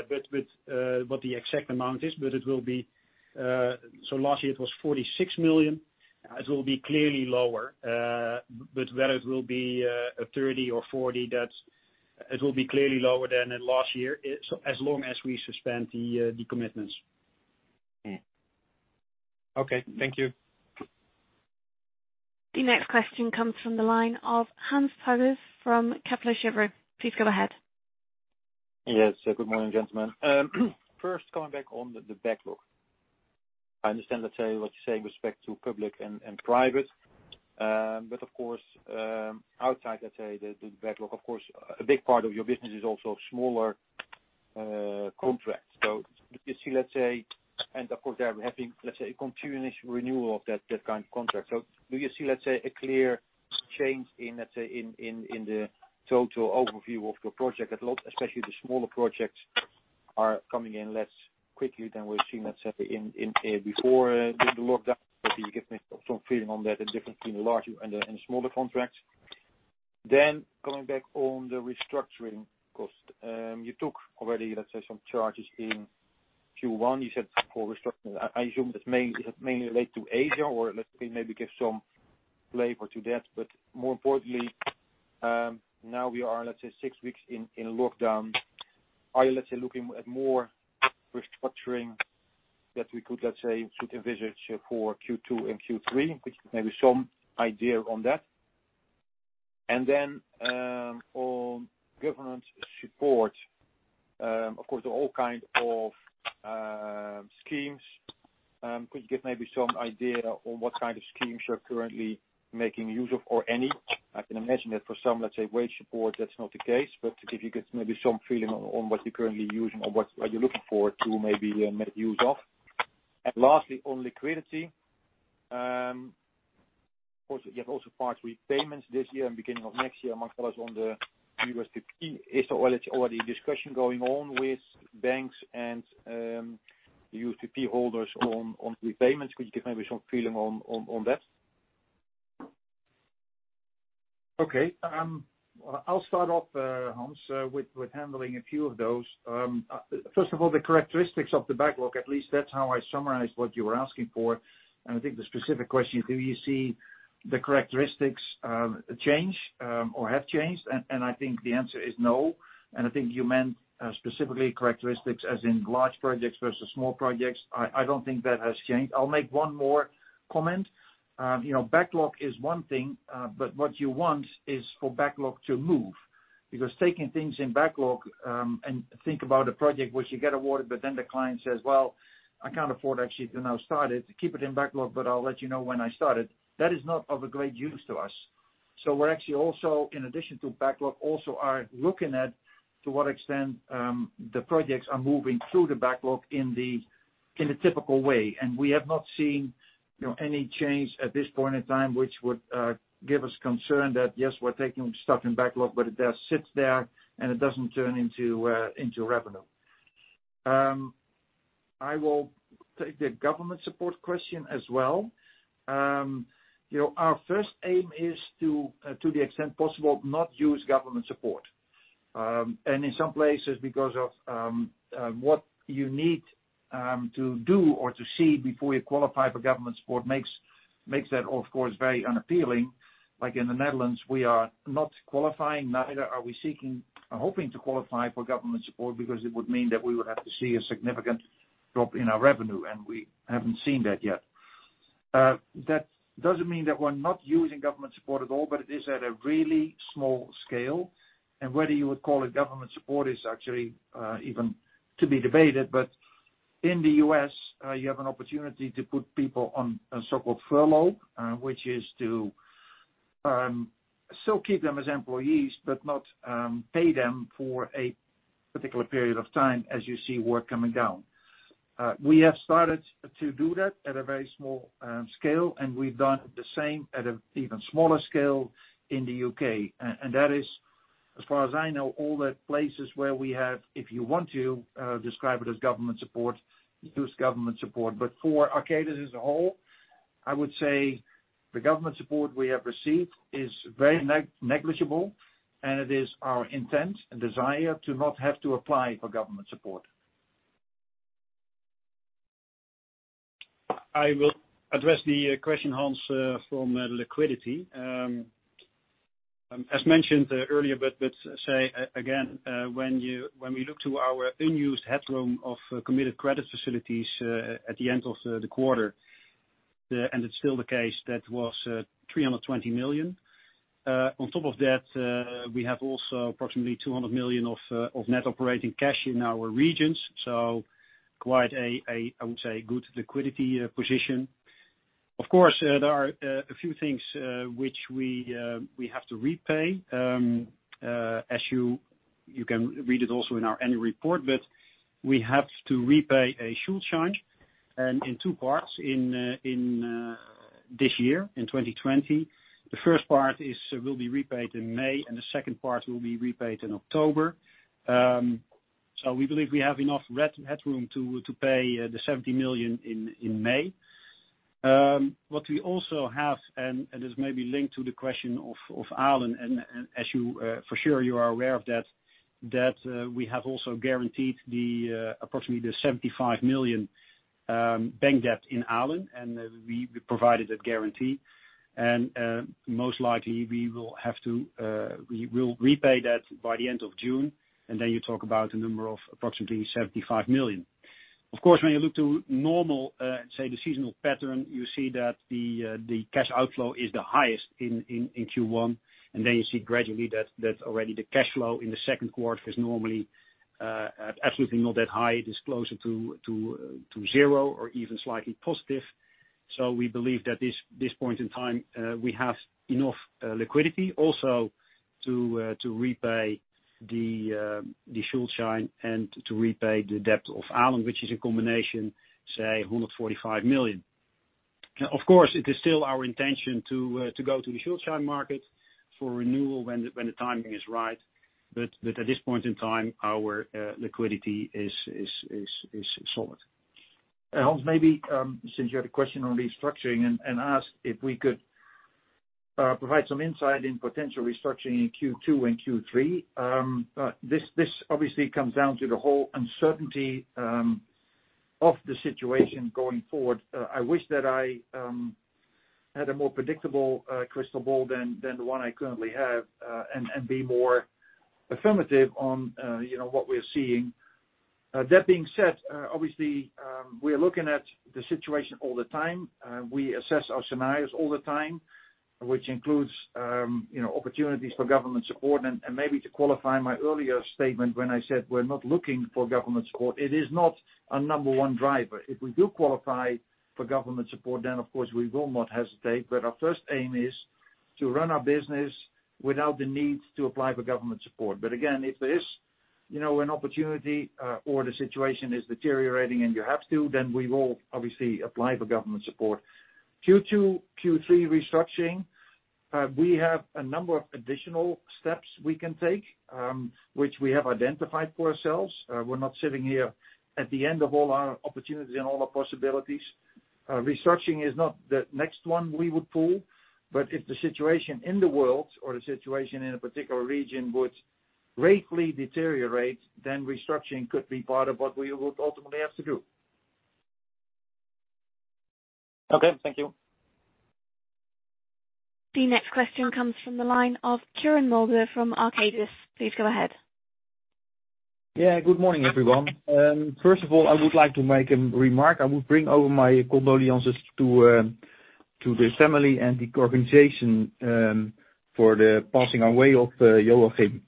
Speaker 2: what the exact amount is, but it will be. Last year it was 46 million. It will be clearly lower. Whether it will be 30 million or 40 million, it will be clearly lower than in last year, as long as we suspend the commitments.
Speaker 6: Okay. Thank you.
Speaker 1: The next question comes from the line of Hans Pluijgers from Kepler Cheuvreux. Please go ahead.
Speaker 7: Yes. Good morning, gentlemen. First, coming back on the backlog. I understand, let's say, what you say with respect to public and private. Of course, outside, let's say, the backlog, of course, a big part of your business is also smaller contracts. Do you see, let's say and of course, they're having, let's say, a continuous renewal of that kind of contract. Do you see, let's say, a clear change in, let's say, in the total overview of your project backlog, especially the smaller projects are coming in less quickly than we've seen, let's say, before the lockdown. Could you give me some feeling on that, the difference between the larger and the smaller contracts? Coming back on the restructuring cost. You took already, let's say, some charges in Q1, you said, for restructuring. I assume that mainly relate to Asia, or let's say, maybe give some flavor to that. More importantly, now we are, let's say, six weeks in lockdown. Are you, let's say, looking at more restructuring that we could, let's say, should envisage for Q2 and Q3? Maybe some idea on that. Then, on government support. Of course, there are all kinds of schemes. Could you give maybe some idea on what kind of schemes you're currently making use of, or any? I can imagine that for some, let's say, wage support, that's not the case. If you could, maybe some feeling on what you're currently using or what are you looking for to maybe make use of. Lastly, on liquidity. Of course, you have also part repayments this year and beginning of next year, among others, on the USPP. Well, it's already a discussion going on with banks and USPP holders on repayments. Could you give maybe some feeling on that?
Speaker 3: Okay. I'll start off, Hans, with handling a few of those. First of all, the characteristics of the backlog, at least that's how I summarized what you were asking for. I think the specific question is, do you see the characteristics change or have changed? I think the answer is no. I think you meant specifically characteristics as in large projects versus small projects. I don't think that has changed. I'll make one more comment. Backlog is one thing, but what you want is for backlog to move, because taking things in backlog, and think about a project which you get awarded, but then the client says, "Well, I can't afford actually to now start it. Keep it in backlog, but I'll let you know when I start it." That is not of a great use to us. We're actually also, in addition to backlog, also are looking at to what extent the projects are moving through the backlog in the typical way. We have not seen any change at this point in time which would give us concern that, yes, we're taking stuff in backlog, but it just sits there and it doesn't turn into revenue. I will take the government support question as well. Our first aim is to the extent possible, not use government support. In some places, because of what you need to do or to see before you qualify for government support makes that, of course, very unappealing. Like in the Netherlands, we are not qualifying, neither are we seeking or hoping to qualify for government support because it would mean that we would have to see a significant drop in our revenue, and we haven't seen that yet. That doesn't mean that we're not using government support at all, but it is at a really small scale. Whether you would call it government support is actually even to be debated. In the U.S., you have an opportunity to put people on a so-called furlough, which is to still keep them as employees, but not pay them for a particular period of time as you see work coming down. We have started to do that at a very small scale, and we've done the same at an even smaller scale in the U.K. That is, as far as I know, all the places where we have, if you want to describe it as government support, use government support. For Arcadis as a whole, I would say the government support we have received is very negligible, and it is our intent and desire to not have to apply for government support.
Speaker 2: I will address the question, Hans, from liquidity. As mentioned earlier, but say again, when we look to our unused headroom of committed credit facilities at the end of the quarter, and it's still the case, that was 320 million. On top of that, we have also approximately 200 million of net operating cash in our regions. Quite a, I would say, good liquidity position. Of course, there are a few things which we have to repay. As you can read it also in our Annual Report, we have to repay a Schuldschein in two parts in this year, in 2020. The first part will be repaid in May, and the second part will be repaid in October. We believe we have enough headroom to pay the 70 million in May. What we also have, this may be linked to the question of ALEN, for sure you are aware of that, we have also guaranteed approximately the 75 million bank debt in ALEN, we provided that guarantee. Most likely we will repay that by the end of June, then you talk about a number of approximately 75 million. Of course, when you look to normal, say, the seasonal pattern, you see that the cash outflow is the highest in Q1, then you see gradually that already the cash flow in the second quarter is normally absolutely not that high. It is closer to zero or even slightly positive. We believe that this point in time we have enough liquidity also to repay the Schuldschein to repay the debt of ALEN, which is a combination, say, 145 million. Of course, it is still our intention to go to the Schuldschein market for renewal when the timing is right. At this point in time, our liquidity is solid.
Speaker 3: Hans, maybe since you had a question on restructuring and asked if we could provide some insight in potential restructuring in Q2 and Q3. This obviously comes down to the whole uncertainty of the situation going forward. I wish that I had a more predictable crystal ball than the one I currently have and be more affirmative on what we're seeing. That being said, obviously, we are looking at the situation all the time. We assess our scenarios all the time, which includes opportunities for government support. Maybe to qualify my earlier statement when I said we're not looking for government support, it is not our number one driver. If we do qualify for government support, then of course, we will not hesitate. Our first aim is to run our business without the need to apply for government support. Again, if there is an opportunity or the situation is deteriorating and you have to, then we will obviously apply for government support. Q2, Q3 restructuring, we have a number of additional steps we can take, which we have identified for ourselves. We are not sitting here at the end of all our opportunities and all our possibilities. Restructuring is not the next one we would pull, but if the situation in the world or the situation in a particular region would greatly deteriorate, then restructuring could be part of what we would ultimately have to do.
Speaker 7: Okay. Thank you.
Speaker 1: The next question comes from the line of [Kieran Mulder from Arcadis]. Please go ahead. Yeah, good morning, everyone. First of all, I would like to make a remark. I would bring over my condolences to the family and the organization for the passing away of Joachim.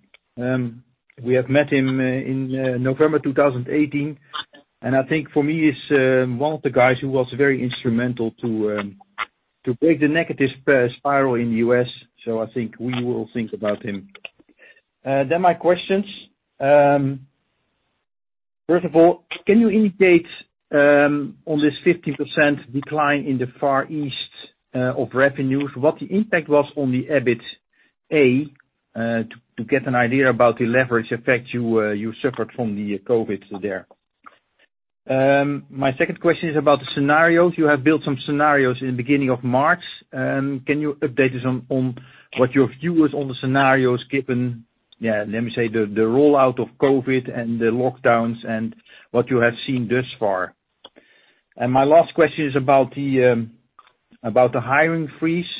Speaker 1: We have met him in November 2018, and I think for me, he's one of the guys who was very instrumental to break the negative spiral in the U.S., so I think we will think about him. My questions. First of all, can you indicate on this 15% decline in the Far East of revenues, what the impact was on the EBIT, A, to get an idea about the leverage effect you suffered from the COVID there? My second question is about the scenarios. You have built some scenarios in the beginning of March.
Speaker 8: Can you update us on what your view is on the scenarios given, let me say, the rollout of COVID-19 and the lockdowns and what you have seen thus far? My last question is about the hiring freeze.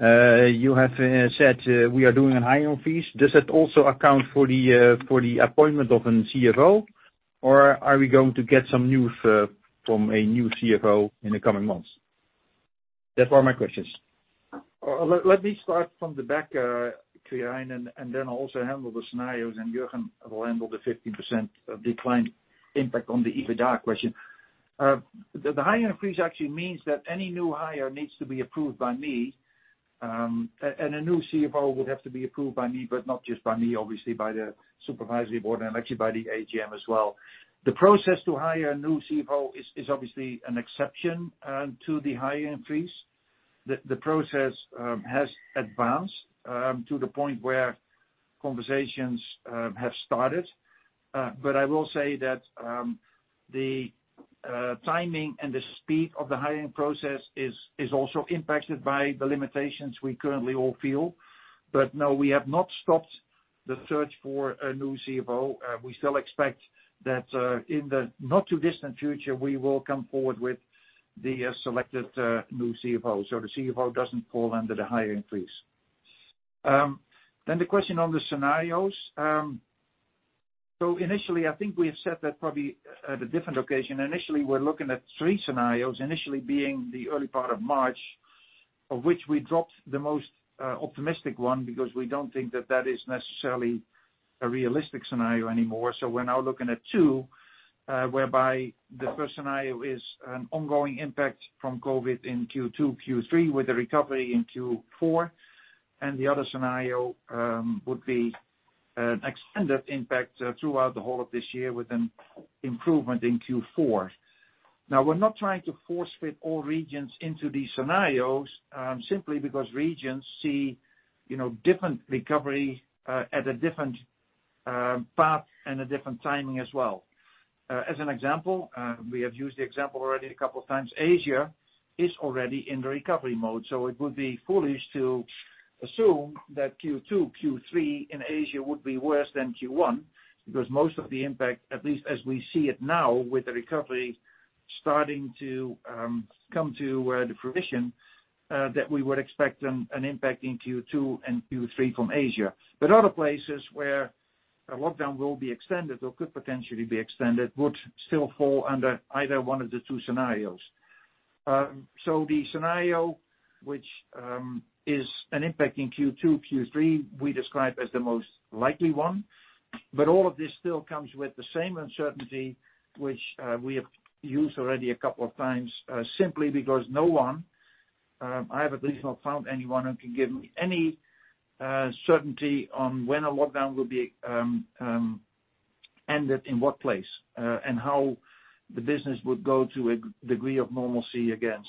Speaker 8: You have said we are doing a hiring freeze. Does that also account for the appointment of a CFO, or are we going to get some news from a new CFO in the coming months? That's all my questions.
Speaker 3: Let me start from the back, Kieran, and then I'll also handle the scenarios, and Jurgen will handle the 15% decline impact on the EBITDA question. The hiring freeze actually means that any new hire needs to be approved by me, and a new CFO would have to be approved by me, not just by me, obviously by the Supervisory Board and actually by the AGM as well. The process to hire a new CFO is obviously an exception to the hiring freeze. The process has advanced to the point where conversations have started. I will say that the timing and the speed of the hiring process is also impacted by the limitations we currently all feel. No, we have not stopped the search for a new CFO. We still expect that in the not too distant future, we will come forward with the selected new CFO. The CFO doesn't fall under the hiring freeze. The question on the scenarios. Initially, I think we have said that probably at a different occasion. Initially, we're looking at three scenarios, initially being the early part of March, of which we dropped the most optimistic one because we don't think that that is necessarily a realistic scenario anymore. We're now looking at two, whereby the first scenario is an ongoing impact from COVID in Q2, Q3 with a recovery in Q4, and the other scenario would be an extended impact throughout the whole of this year with an improvement in Q4. We're not trying to force fit all regions into these scenarios, simply because regions see different recovery at a different path and a different timing as well. As an example, we have used the example already a couple of times. Asia is already in the recovery mode, so it would be foolish to assume that Q2, Q3 in Asia would be worse than Q1 because most of the impact, at least as we see it now with the recovery starting to come to the fruition, that we would expect an impact in Q2 and Q3 from Asia. Other places where a lockdown will be extended or could potentially be extended would still fall under either one of the two scenarios. The scenario which is an impact in Q2, Q3, we describe as the most likely one. All of this still comes with the same uncertainty which we have used already a couple of times, simply because no one, I have at least not found anyone who can give me any certainty on when a lockdown will be ended, in what place, and how the business would go to a degree of normalcy again.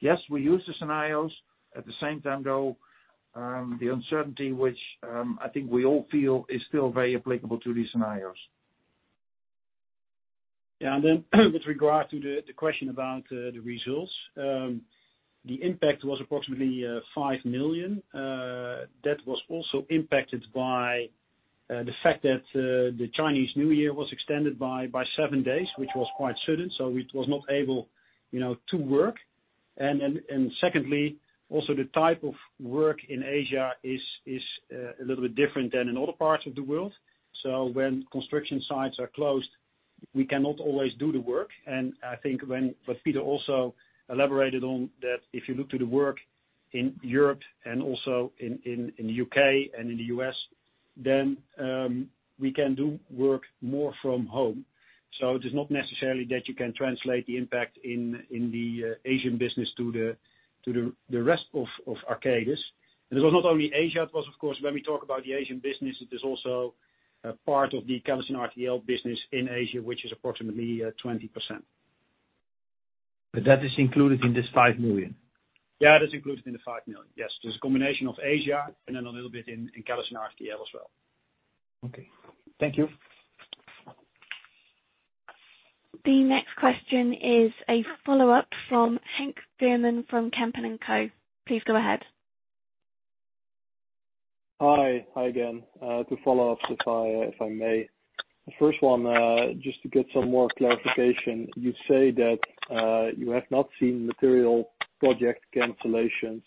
Speaker 3: Yes, we use the scenarios. At the same time, though, the uncertainty which I think we all feel is still very applicable to these scenarios.
Speaker 2: Yeah, then with regard to the question about the results. The impact was approximately 5 million. That was also impacted by the fact that the Chinese New Year was extended by seven days, which was quite sudden. It was not able to work. Secondly, also the type of work in Asia is a little bit different than in other parts of the world. When construction sites are closed, we cannot always do the work. I think what Peter also elaborated on, that if you look to the work in Europe and also in the U.K. and in the U.S., we can do work more from home. It is not necessarily that you can translate the impact in the Asian business to the rest of Arcadis. It was not only Asia, it was, of course, when we talk about the Asian business, it is also a part of the CallisonRTKL business in Asia, which is approximately 20%.
Speaker 8: That is included in this 5 million?
Speaker 2: Yeah, that's included in the 5 million. Yes. There's a combination of Asia and then a little bit in CallisonRTKL as well.
Speaker 8: Okay. Thank you.
Speaker 1: The next question is a follow-up from Henk Veerman from Kempen & Co. Please go ahead.
Speaker 4: Hi. Hi again. Two follow-ups, if I may. The first one, just to get some more clarification. You say that you have not seen material project cancellations.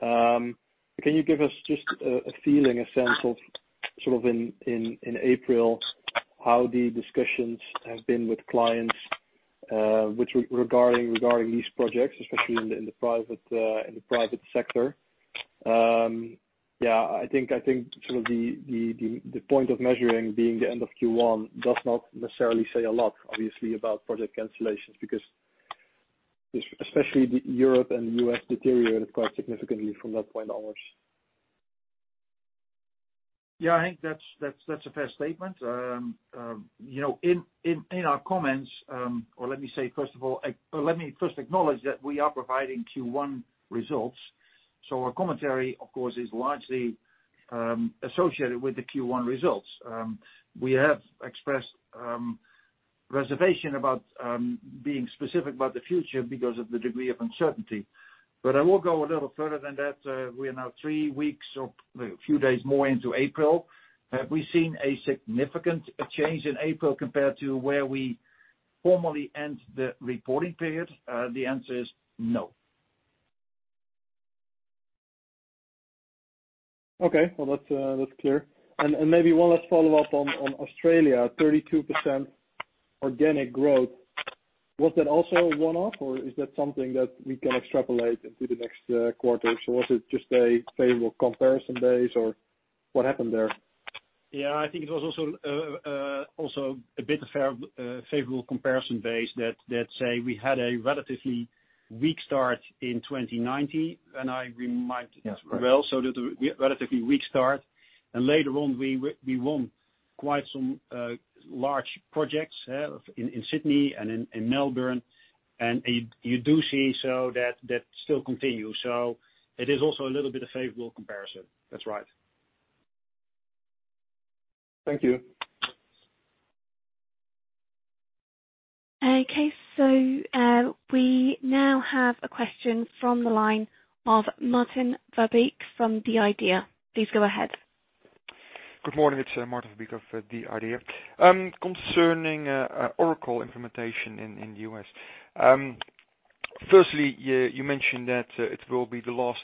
Speaker 4: Can you give us just a feeling, a sense of, sort of in April, how the discussions have been with clients regarding these projects, especially in the private sector? Yeah, I think sort of the point of measuring being the end of Q1 does not necessarily say a lot, obviously, about project cancellations, because especially the Europe and the U.S. deteriorated quite significantly from that point onwards.
Speaker 3: Yeah, Henk, that's a fair statement. In our comments, first of all, let me acknowledge that we are providing Q1 results. Our commentary, of course, is largely associated with the Q1 results. We have expressed reservation about being specific about the future because of the degree of uncertainty. I will go a little further than that. We are now three weeks or a few days more into April. Have we seen a significant change in April compared to where we formally end the reporting period? The answer is no.
Speaker 4: Okay. Well, that's clear. Maybe one last follow-up on Australia, 32% organic growth. Was that also a one-off or is that something that we can extrapolate into the next quarter? Was it just a favorable comparison base, or what happened there?
Speaker 2: Yeah, I think it was also a bit of favorable comparison base that, say, we had a relatively weak start in 2019, and I remind as well, so that we had a relatively weak start, and later on, we won quite some large projects in Sydney and in Melbourne, and you do see that still continue. It is also a little bit of favorable comparison. That's right.
Speaker 4: Thank you.
Speaker 1: Okay. We now have a question from the line of Maarten Verbeek from The Idea. Please go ahead.
Speaker 9: Good morning. It's Maarten Verbeek of The Idea. Concerning Oracle implementation in U.S. Firstly, you mentioned that it will be the last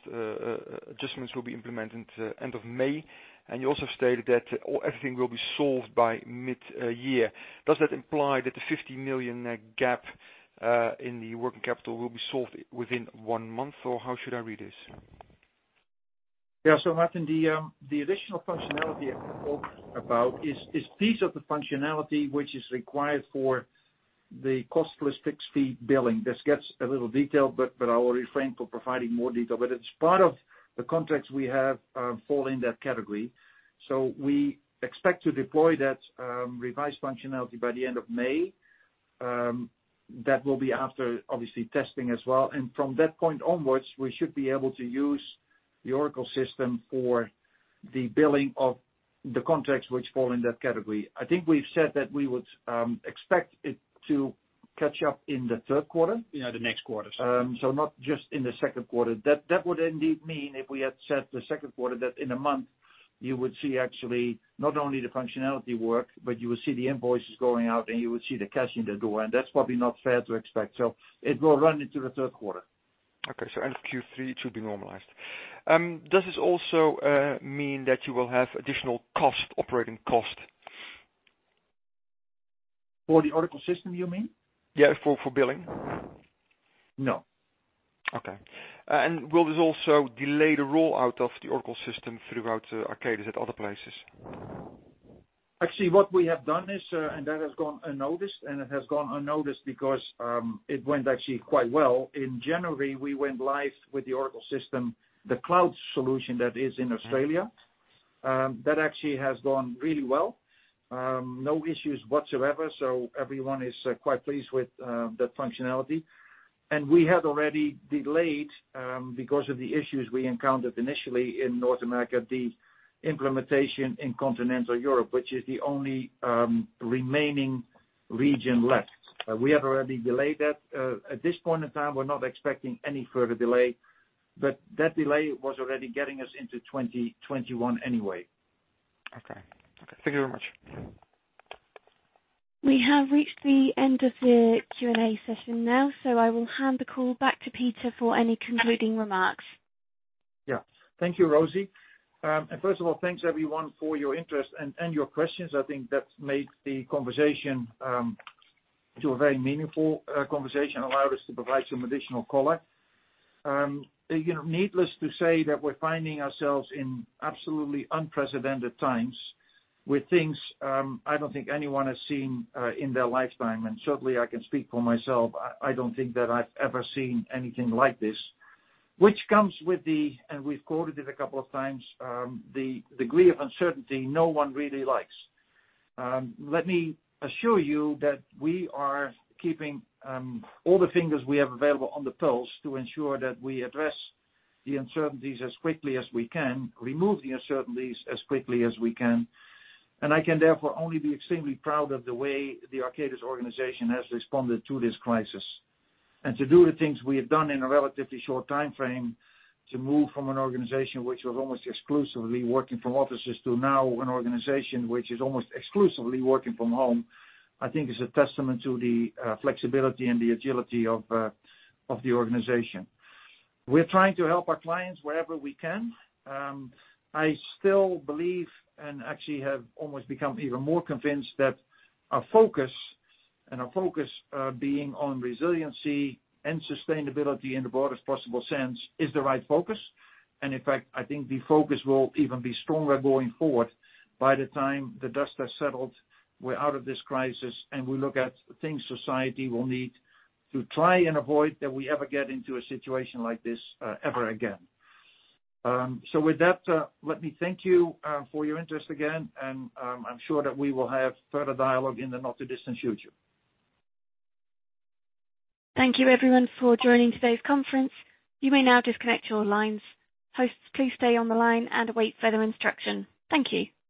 Speaker 9: adjustments will be implemented end of May, and you also stated that everything will be solved by mid-year. Does that imply that the 50 million gap in the working capital will be solved within one month, or how should I read this?
Speaker 3: Maarten, the additional functionality I talked about is piece of the functionality which is required for the costless, fixed fee billing. This gets a little detailed, but I'll refrain for providing more detail. It's part of the contracts we have fall in that category. We expect to deploy that revised functionality by the end of May, that will be after, obviously, testing as well. From that point onwards, we should be able to use the Oracle system for the billing of the contracts which fall in that category. I think we've said that we would expect it to catch up in the third quarter.
Speaker 2: Yeah, the next quarter.
Speaker 3: Not just in the second quarter. That would indeed mean if we had set the second quarter, that in a month you would see actually not only the functionality work, but you will see the invoices going out, and you will see the cash in the door, and that's probably not fair to expect. It will run into the third quarter.
Speaker 9: Okay, so, end of Q3, it should be normalized. Does this also mean that you will have additional operating cost?
Speaker 3: For the Oracle system, you mean?
Speaker 9: Yeah, for billing.
Speaker 3: No.
Speaker 9: Okay. Will this also delay the rollout of the Oracle system throughout Arcadis at other places?
Speaker 3: Actually, what we have done is, and that has gone unnoticed, and it has gone unnoticed because, it went actually quite well. In January, we went live with the Oracle system, the cloud solution that is in Australia, that actually has gone really well. No issues whatsoever. Everyone is quite pleased with that functionality. We had already delayed, because of the issues we encountered initially in North America, the implementation in continental Europe, which is the only remaining region left. We have already delayed that. At this point in time, we're not expecting any further delay, but that delay was already getting us into 2021 anyway.
Speaker 9: Okay. Thank you very much.
Speaker 1: We have reached the end of the Q&A session now, so I will hand the call back to Peter for any concluding remarks.
Speaker 3: Thank you, Rosie. First of all, thanks everyone for your interest and your questions. I think that made the conversation to a very meaningful conversation, allowed us to provide some additional color. Needless to say that we're finding ourselves in absolutely unprecedented times with things, I don't think anyone has seen in their lifetime. Certainly, I can speak for myself. I don't think that I've ever seen anything like this, which comes with the, and we've quoted it a couple of times, the degree of uncertainty no one really likes. Let me assure you that we are keeping all the fingers we have available on the pulse to ensure that we address the uncertainties as quickly as we can, remove the uncertainties as quickly as we can, and I can therefore only be extremely proud of the way the Arcadis organization has responded to this crisis. To do the things we have done in a relatively short timeframe, to move from an organization which was almost exclusively working from offices to now an organization which is almost exclusively working from home, I think is a testament to the flexibility and the agility of the organization. We're trying to help our clients wherever we can. I still believe and actually have almost become even more convinced that our focus, and our focus being on resiliency and sustainability in the broadest possible sense is the right focus. In fact, I think the focus will even be stronger going forward by the time the dust has settled, we're out of this crisis, and we look at things society will need to try and avoid that we ever get into a situation like this ever again. With that, let me thank you for your interest again, and I am sure that we will have further dialogue in the not-too-distant future.
Speaker 1: Thank you everyone for joining today's conference. You may now disconnect your lines. Hosts, please stay on the line and await further instruction. Thank you.